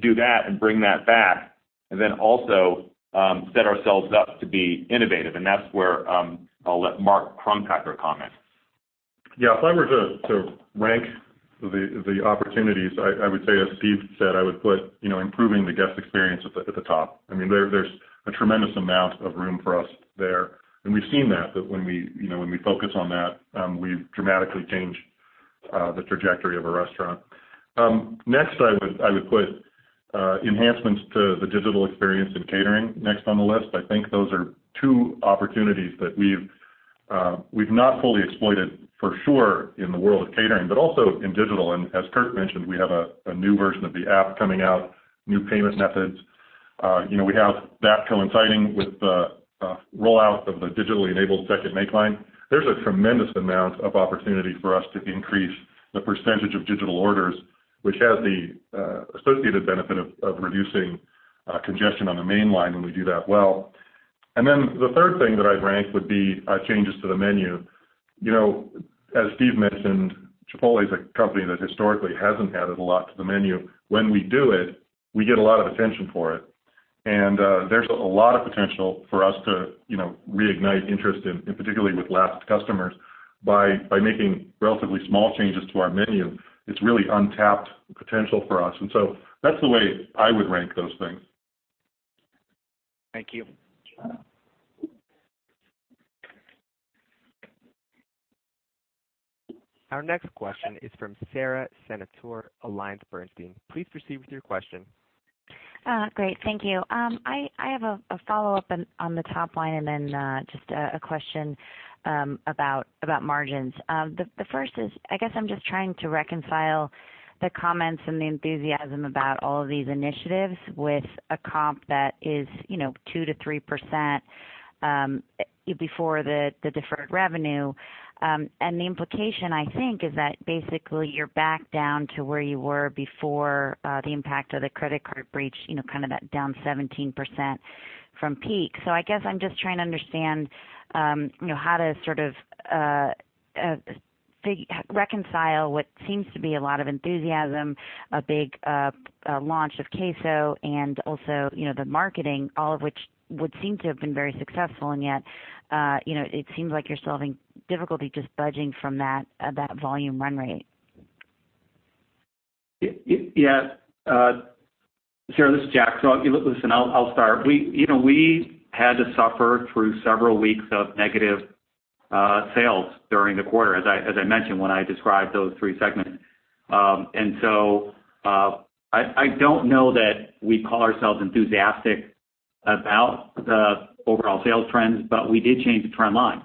do that and bring that back, then also set ourselves up to be innovative. That's where I'll let Mark Crumpacker comment. Yeah. If I were to rank the opportunities, I would say, as Steve said, I would put improving the guest experience at the top. There's a tremendous amount of room for us there, and we've seen that when we focus on that, we dramatically change the trajectory of a restaurant. Next, I would put enhancements to the digital experience in catering next on the list. I think those are two opportunities that we've not fully exploited for sure in the world of catering, but also in digital. As Curt mentioned, we have a new version of the app coming out, new payment methods. We have that coinciding with the rollout of the digitally enabled second make line. Then the third thing that I'd rank would be changes to the menu. As Steve mentioned, Chipotle is a company that historically hasn't added a lot to the menu. When we do it, we get a lot of attention for it. There's a lot of potential for us to reignite interest in, particularly with lapsed customers, by making relatively small changes to our menu. It's really untapped potential for us. So that's the way I would rank those things. Thank you. Our next question is from Sara Senatore, AllianceBernstein. Please proceed with your question. Great. Thank you. I have a follow-up on the top line and then just a question about margins. The first is, I guess I'm just trying to reconcile the comments and the enthusiasm about all of these initiatives with a comp that is 2%-3%. Before the deferred revenue. The implication, I think, is that basically you're back down to where you were before the impact of the credit card breach, kind of that down 17% from peak. I guess I'm just trying to understand how to reconcile what seems to be a lot of enthusiasm, a big launch of queso and also the marketing, all of which would seem to have been very successful, and yet it seems like you're still having difficulty just budging from that volume run rate. Yeah. Sara, this is Jack. Listen, I'll start. We had to suffer through several weeks of negative sales during the quarter, as I mentioned when I described those three segments. I don't know that we call ourselves enthusiastic about the overall sales trends, but we did change the trend line.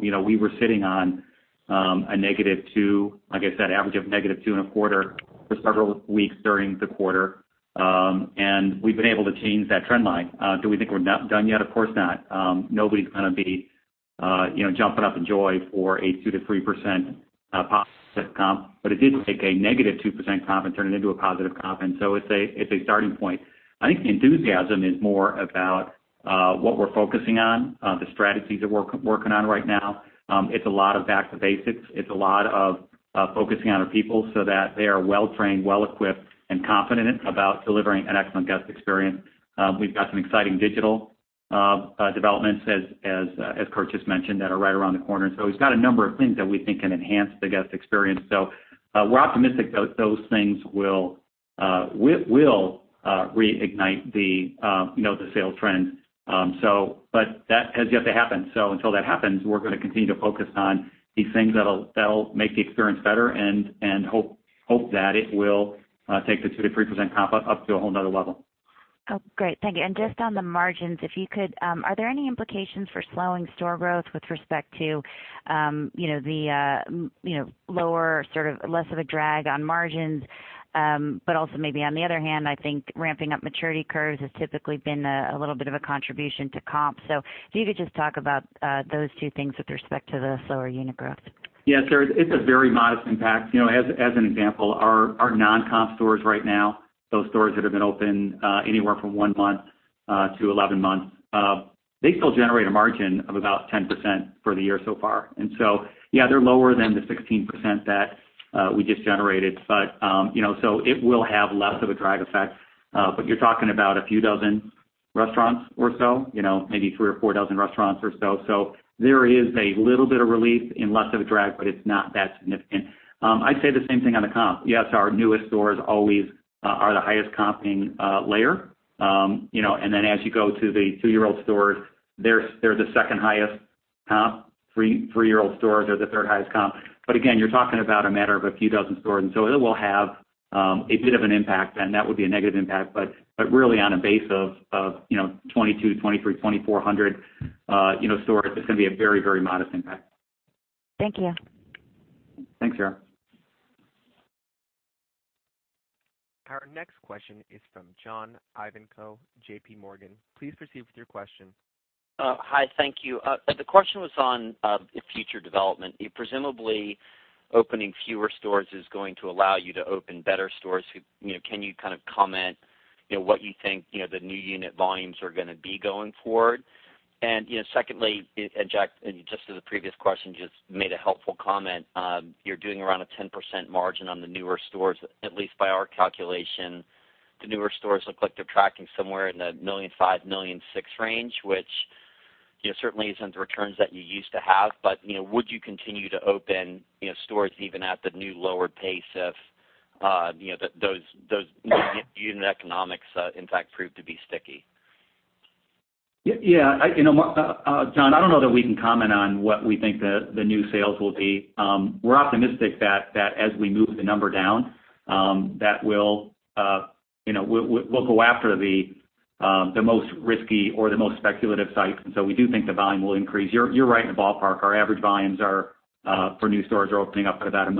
We were sitting on a negative two, like I said, average of negative two and a quarter for several weeks during the quarter. We've been able to change that trend line. Do we think we're done yet? Of course not. Nobody's going to be jumping up in joy for a 2%-3% positive comp. But it did take a negative 2% comp and turn it into a positive comp. It's a starting point. I think the enthusiasm is more about what we're focusing on, the strategies that we're working on right now. It's a lot of back to basics. It's a lot of focusing on our people so that they are well-trained, well-equipped, and confident about delivering an excellent guest experience. We've got some exciting digital developments, as Curt just mentioned, that are right around the corner. We've got a number of things that we think can enhance the guest experience. We're optimistic those things will reignite the sales trends. But that has yet to happen. Until that happens, we're going to continue to focus on these things that'll make the experience better and hope that it will take the 2%-3% comp up to a whole another level. Oh, great. Thank you. Just on the margins, if you could, are there any implications for slowing store growth with respect to the lower, less of a drag on margins? But also maybe on the other hand, I think ramping up maturity curves has typically been a little bit of a contribution to comp. If you could just talk about those two things with respect to the slower unit growth. Yeah, Sara, it's a very modest impact. As an example, our non-comp stores right now, those stores that have been open anywhere from one month to 11 months, they still generate a margin of about 10% for the year so far. Yeah, they're lower than the 16% that we just generated, so it will have less of a drag effect. You're talking about a few dozen restaurants or so, maybe three or four dozen restaurants or so. There is a little bit of relief and less of a drag, but it's not that significant. I'd say the same thing on the comp. Yes, our newest stores always are the highest comping layer. As you go to the two-year-old stores, they're the second highest comp. Three-year-old stores are the third highest comp. Again, you're talking about a matter of a few dozen stores. It will have a bit of an impact, and that would be a negative impact, but really on a base of 2,200 to 2,300, 2,400 stores, it's going to be a very modest impact. Thank you. Thanks, Sara. Our next question is from John Ivankoe, JPMorgan. Please proceed with your question. Hi, thank you. The question was on future development. Presumably, opening fewer stores is going to allow you to open better stores. Can you comment what you think the new unit volumes are going to be going forward? Secondly, Jack, just as the previous question just made a helpful comment, you're doing around a 10% margin on the newer stores. At least by our calculation, the newer stores look like they're tracking somewhere in the $1.5 million, $1.6 million range, which certainly isn't the returns that you used to have. Would you continue to open stores even at the new, lower pace if those unit economics in fact prove to be sticky? John, I don't know that we can comment on what we think the new sales will be. We're optimistic that as we move the number down, that we'll go after the most risky or the most speculative sites. We do think the volume will increase. You're right in the ballpark. Our average volumes for new stores are opening up at about a $1.5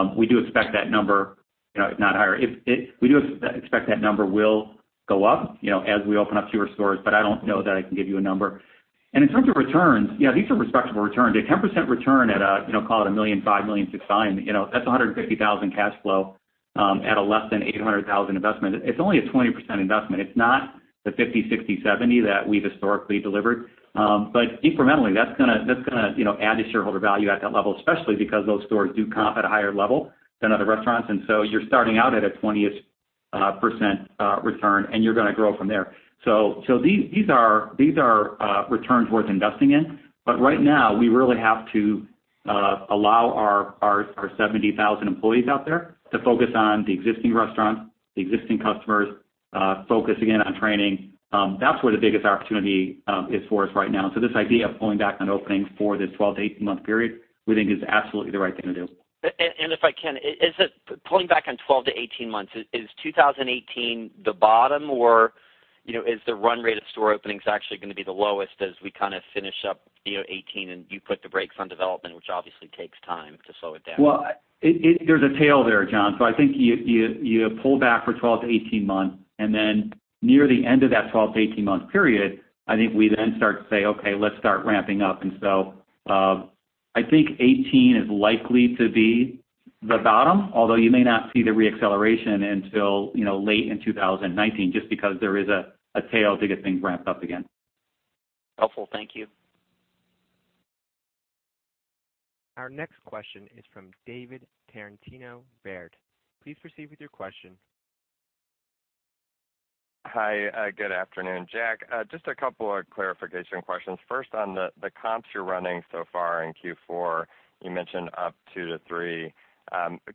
million. We do expect that number, if not higher. We do expect that number will go up as we open up fewer stores, but I don't know that I can give you a number. In terms of returns, these are respectable returns. A 10% return at a, call it a $1.5 million, $1.6 million buy-in, that's $150,000 cash flow at a less than $800,000 investment. It's only a 20% investment. It's not the 50%, 60%, 70% that we've historically delivered. Incrementally, that's going to add to shareholder value at that level, especially because those stores do comp at a higher level than other restaurants. You're starting out at a 20% return, and you're going to grow from there. These are returns worth investing in. Right now, we really have to allow our 70,000 employees out there to focus on the existing restaurants, the existing customers, focus again on training. That's where the biggest opportunity is for us right now. This idea of pulling back on openings for this 12-18 month period, we think is absolutely the right thing to do. If I can, is it pulling back on 12-18 months? Is 2018 the bottom, or is the run rate of store openings actually going to be the lowest as we finish up 2018 and you put the brakes on development, which obviously takes time to slow it down? Well, there's a tail there, John. I think you pull back for 12-18 months, near the end of that 12-18 month period, I think we then start to say, "Okay, let's start ramping up." I think 2018 is likely to be the bottom, although you may not see the re-acceleration until late in 2019, just because there is a tail to get things ramped up again. Helpful. Thank you. Our next question is from David Tarantino, Baird. Please proceed with your question. Hi. Good afternoon. Jack, just a couple of clarification questions. First, on the comps you're running so far in Q4, you mentioned up 2% to 3%.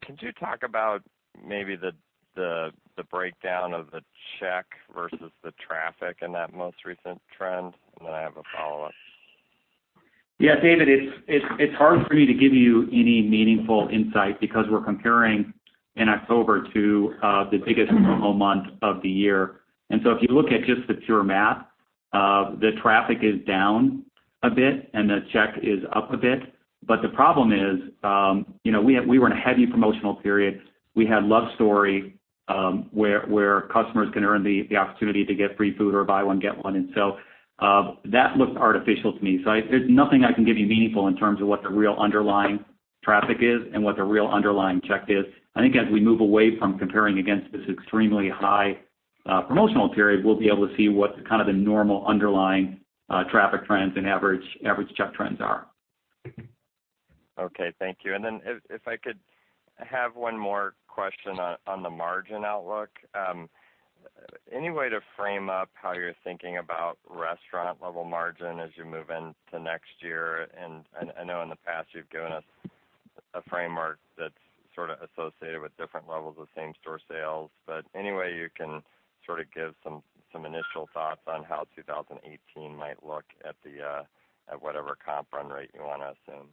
Could you talk about maybe the breakdown of the check versus the traffic in that most recent trend? Then I have a follow-up. Yeah, David, it's hard for me to give you any meaningful insight because we're comparing in October to the biggest promo month of the year. If you look at just the pure math, the traffic is down a bit and the check is up a bit. The problem is, we were in a heavy promotional period. We had Love Story, where customers can earn the opportunity to get free food or buy one, get one. That looked artificial to me. There's nothing I can give you meaningful in terms of what the real underlying traffic is and what the real underlying check is. I think as we move away from comparing against this extremely high promotional period, we'll be able to see what the normal underlying traffic trends and average check trends are. Okay, thank you. If I could have one more question on the margin outlook. Any way to frame up how you're thinking about restaurant-level margin as you move into next year? I know in the past you've given us a framework that's associated with different levels of same-store sales. Any way you can give some initial thoughts on how 2018 might look at whatever comp run rate you want to assume?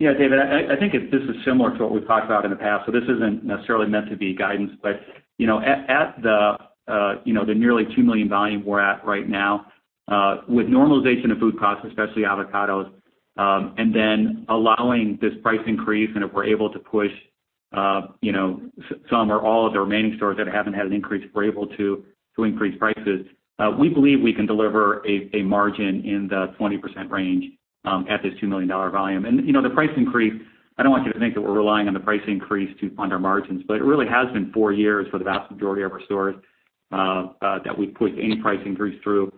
Yeah, David, I think this is similar to what we've talked about in the past. This isn't necessarily meant to be guidance. At the nearly $2 million volume we're at right now, with normalization of food costs, especially avocados, then allowing this price increase, and if we're able to push some or all of the remaining stores that haven't had an increase, we're able to increase prices, we believe we can deliver a margin in the 20% range at this $2 million volume. The price increase, I don't want you to think that we're relying on the price increase to fund our margins, it really has been four years for the vast majority of our stores that we've pushed any price increase through.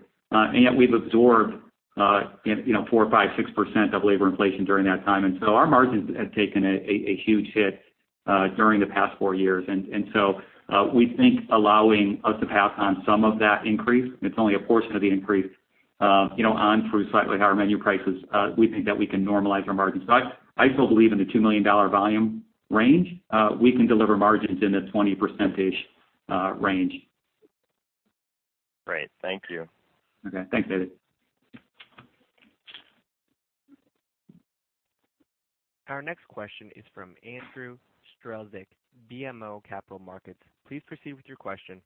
Yet we've absorbed 4%, 5%, 6% of labor inflation during that time. Our margins have taken a huge hit during the past four years. We think allowing us to pass on some of that increase, and it's only a portion of the increase, on through slightly higher menu prices, we think that we can normalize our margins. I still believe in the $2 million volume range. We can deliver margins in the 20% range. Great. Thank you. Okay. Thanks, David. Our next question is from Andrew Strelzik, BMO Capital Markets. Please proceed with your question.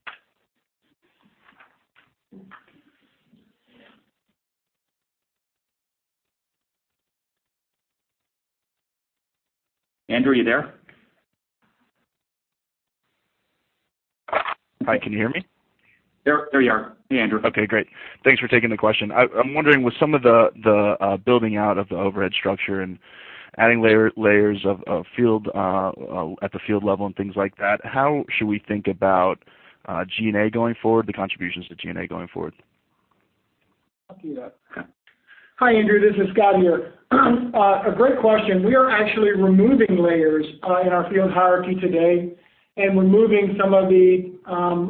Andrew, are you there? Hi, can you hear me? There you are. Hey, Andrew. Okay, great. Thanks for taking the question. I'm wondering, with some of the building out of the overhead structure and adding layers at the field level and things like that, how should we think about G&A going forward, the contributions to G&A going forward? I'll queue it up. Okay. Hi, Andrew. This is Scott here. A great question. We are actually removing layers in our field hierarchy today and removing some of the,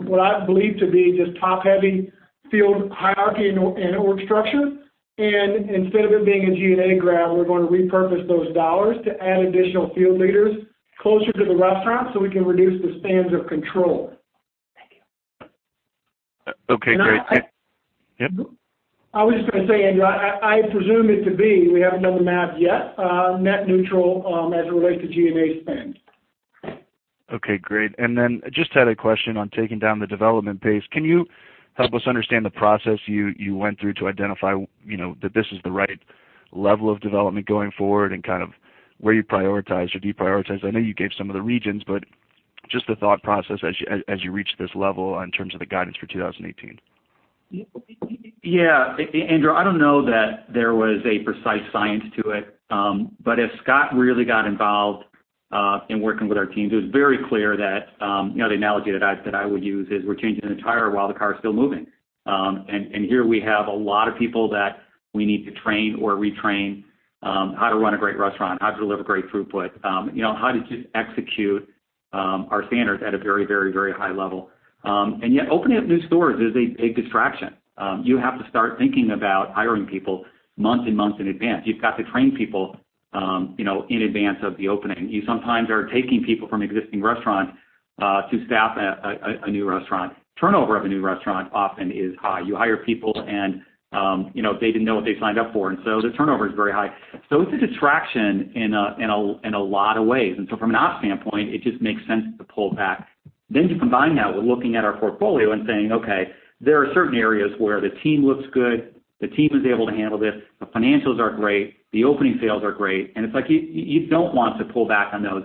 what I believe to be just top-heavy field hierarchy and org structure. Instead of it being a G&A grab, we're going to repurpose those dollars to add additional field leaders closer to the restaurant so we can reduce the spans of control. Okay, great. Yeah. I was just going to say, Andrew, I presume it to be, we haven't done the math yet, net neutral as it relates to G&A spend. Okay, great. Just had a question on taking down the development pace. Can you help us understand the process you went through to identify that this is the right level of development going forward and where you prioritize or deprioritize? I know you gave some of the regions, but just the thought process as you reach this level in terms of the guidance for 2018. Yeah. Andrew, I don't know that there was a precise science to it. As Scott really got involved in working with our teams, it was very clear that the analogy that I would use is we're changing the tire while the car's still moving. Here we have a lot of people that we need to train or retrain on how to run a great restaurant, how to deliver great throughput, how to just execute our standards at a very high level. Yet opening up new stores is a distraction. You have to start thinking about hiring people months and months in advance. You've got to train people in advance of the opening. You sometimes are taking people from existing restaurants to staff a new restaurant. Turnover of a new restaurant often is high. You hire people and they didn't know what they signed up for, the turnover is very high. It's a distraction in a lot of ways. From an ops standpoint, it just makes sense to pull back. You combine that with looking at our portfolio and saying, "Okay, there are certain areas where the team looks good, the team is able to handle this, the financials are great, the opening sales are great," and it's like you don't want to pull back on those.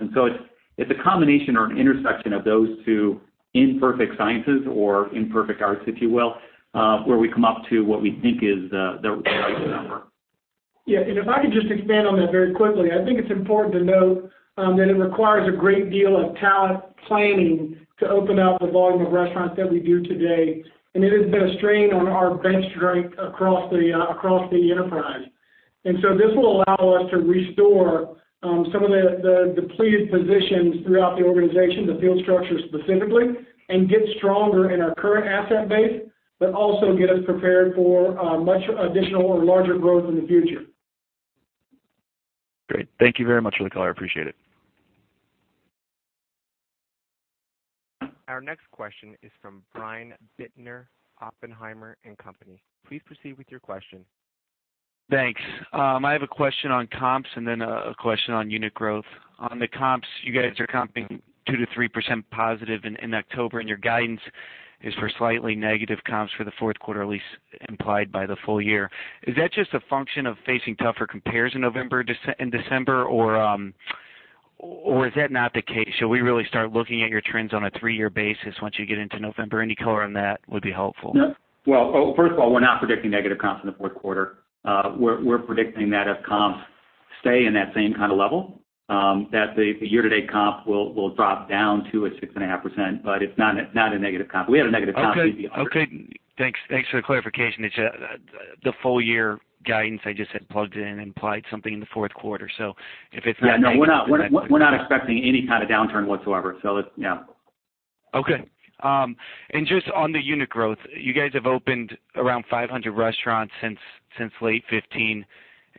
It's a combination or an intersection of those two imperfect sciences or imperfect arts, if you will, where we come up to what we think is the right number. Yeah. If I could just expand on that very quickly, I think it's important to note that it requires a great deal of talent planning to open up the volume of restaurants that we do today, it has been a strain on our bench strength across the enterprise. This will allow us to restore some of the depleted positions throughout the organization, the field structure specifically, get stronger in our current asset base, also get us prepared for much additional or larger growth in the future. Great. Thank you very much for the color. I appreciate it. Our next question is from Brian Bittner, Oppenheimer & Co. Inc. Please proceed with your question. Thanks. I have a question on comps and then a question on unit growth. On the comps, you guys are comping 2%-3% positive in October, and your guidance is for slightly negative comps for the fourth quarter, at least implied by the full year. Is that just a function of facing tougher compares in November and December, or is that not the case? Should we really start looking at your trends on a three-year basis once you get into November? Any color on that would be helpful. Well, first of all, we're not predicting negative comps in the fourth quarter. We're predicting that if comps stay in that same kind of level, that the year-to-date comp will drop down to a 6.5%, but it's not a negative comp. Okay. Thanks for the clarification. It's the full year guidance I just had plugged in implied something in the fourth quarter. If it's not negative, then I think we're good. Yeah, no, we're not expecting any kind of downturn whatsoever. It's. Okay. Just on the unit growth, you guys have opened around 500 restaurants since late 2015,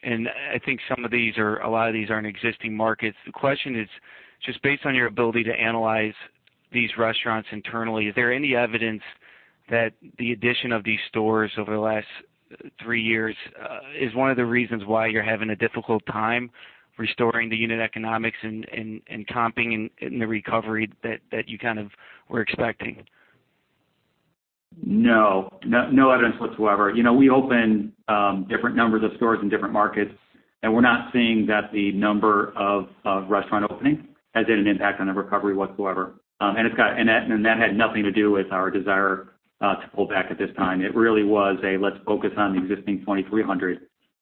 and I think a lot of these are in existing markets. The question is, just based on your ability to analyze these restaurants internally, is there any evidence that the addition of these stores over the last three years is one of the reasons why you're having a difficult time restoring the unit economics and comping in the recovery that you were expecting? No. No evidence whatsoever. We open different numbers of stores in different markets. We're not seeing that the number of restaurant openings has had an impact on the recovery whatsoever. That had nothing to do with our desire to pull back at this time. It really was a, let's focus on the existing 2,300.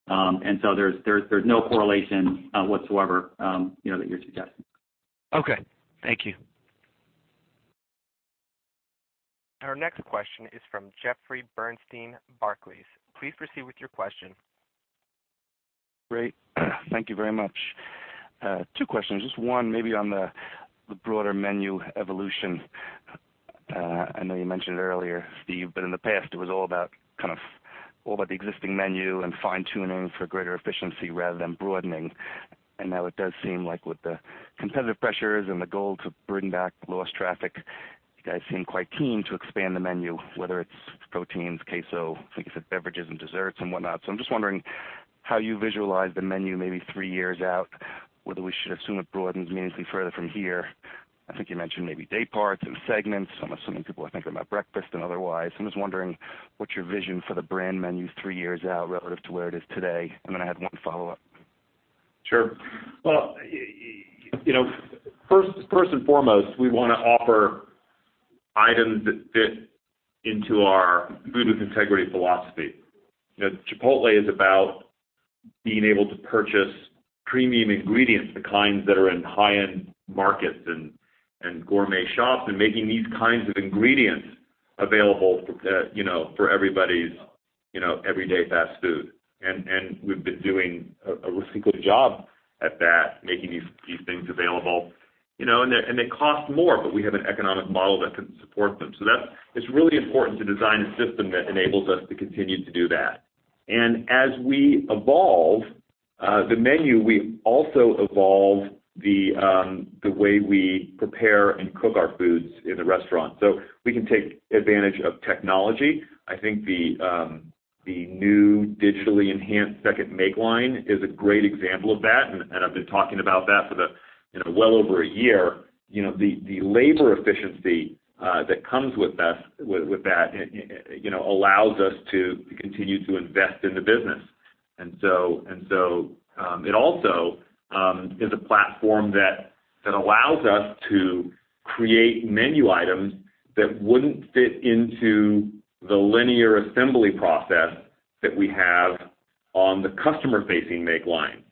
There's no correlation whatsoever, that you're suggesting. Okay. Thank you. Our next question is from Jeffrey Bernstein, Barclays. Please proceed with your question. Great. Thank you very much. Two questions. Just one maybe on the broader menu evolution. I know you mentioned it earlier, Steve, but in the past, it was all about the existing menu and fine-tuning for greater efficiency rather than broadening. Now it does seem like with the competitive pressures and the goal to bring back lost traffic, you guys seem quite keen to expand the menu, whether it's proteins, queso, I think you said beverages and desserts and whatnot. I'm just wondering how you visualize the menu maybe three years out, whether we should assume it broadens meaningfully further from here. I think you mentioned maybe dayparts and segments. I'm assuming people are thinking about breakfast and otherwise. I'm just wondering what's your vision for the brand menu three years out relative to where it is today. Then I have one follow-up. Sure. Well, first and foremost, we want to offer items that fit into our Food with Integrity philosophy. Chipotle is about being able to purchase premium ingredients, the kinds that are in high-end markets and gourmet shops, and making these kinds of ingredients available for everybody's everyday fast food. We've been doing a really good job at that, making these things available. They cost more, but we have an economic model that can support them. That is really important to design a system that enables us to continue to do that. As we evolve the menu, we also evolve the way we prepare and cook our foods in the restaurant so we can take advantage of technology. I think the new digitally enhanced second make line is a great example of that, and I've been talking about that for well over a year. The labor efficiency that comes with that allows us to continue to invest in the business. It also is a platform that allows us to create menu items that wouldn't fit into the linear assembly process that we have on the customer-facing make line.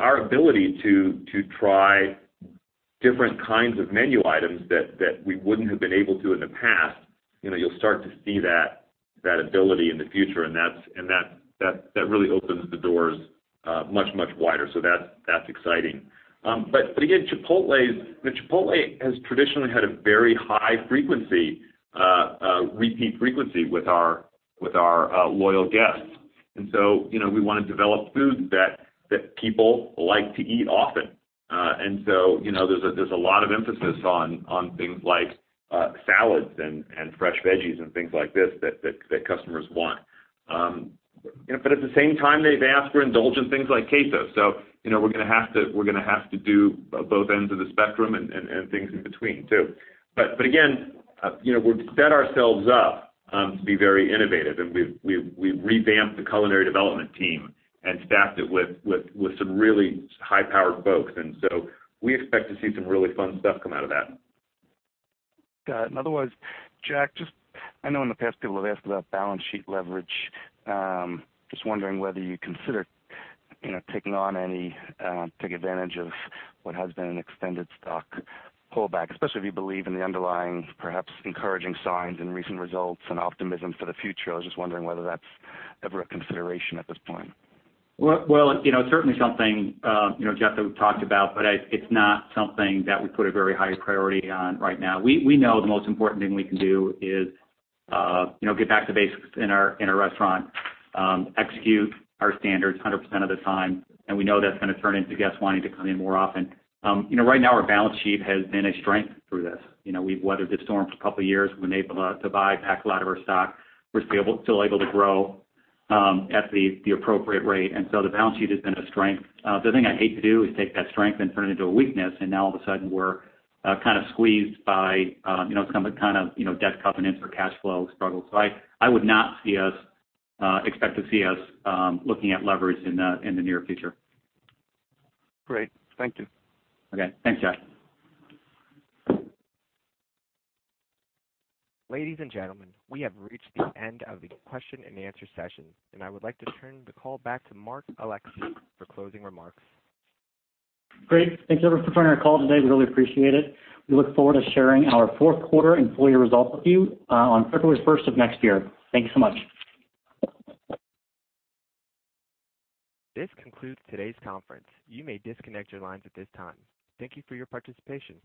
Our ability to try different kinds of menu items that we wouldn't have been able to in the past, you'll start to see that ability in the future, and that really opens the doors much, much wider. That's exciting. Again, Chipotle has traditionally had a very high repeat frequency with our loyal guests. We want to develop food that people like to eat often. There's a lot of emphasis on things like salads and fresh veggies and things like this that customers want. At the same time, they've asked for indulgent things like queso. We're going to have to do both ends of the spectrum and things in between, too. Again, we've set ourselves up to be very innovative, and we've revamped the culinary development team and staffed it with some really high-powered folks, we expect to see some really fun stuff come out of that. Got it. Otherwise, Jack, I know in the past people have asked about balance sheet leverage. Just wondering whether you consider taking advantage of what has been an extended stock pullback, especially if you believe in the underlying, perhaps encouraging signs and recent results and optimism for the future. I was just wondering whether that's ever a consideration at this point. Well, it's certainly something, Jeff, that we've talked about, but it's not something that we put a very high priority on right now. We know the most important thing we can do is get back to basics in our restaurant, execute our standards 100% of the time, and we know that's going to turn into guests wanting to come in more often. Right now, our balance sheet has been a strength through this. We've weathered this storm for a couple of years. We've been able to buy back a lot of our stock. We're still able to grow at the appropriate rate. The balance sheet has been a strength. The thing I hate to do is take that strength and turn it into a weakness, and now all of a sudden, we're kind of squeezed by some kind of debt covenants or cash flow struggles. I would not expect to see us looking at leverage in the near future. Great. Thank you. Okay. Thanks, Jeff. Ladies and gentlemen, we have reached the end of the question and answer session, and I would like to turn the call back to Mark Alexee for closing remarks. Great. Thanks, everyone, for joining our call today. We really appreciate it. We look forward to sharing our fourth quarter and full year results with you on February 1st of next year. Thank you so much. This concludes today's conference. You may disconnect your lines at this time. Thank you for your participation.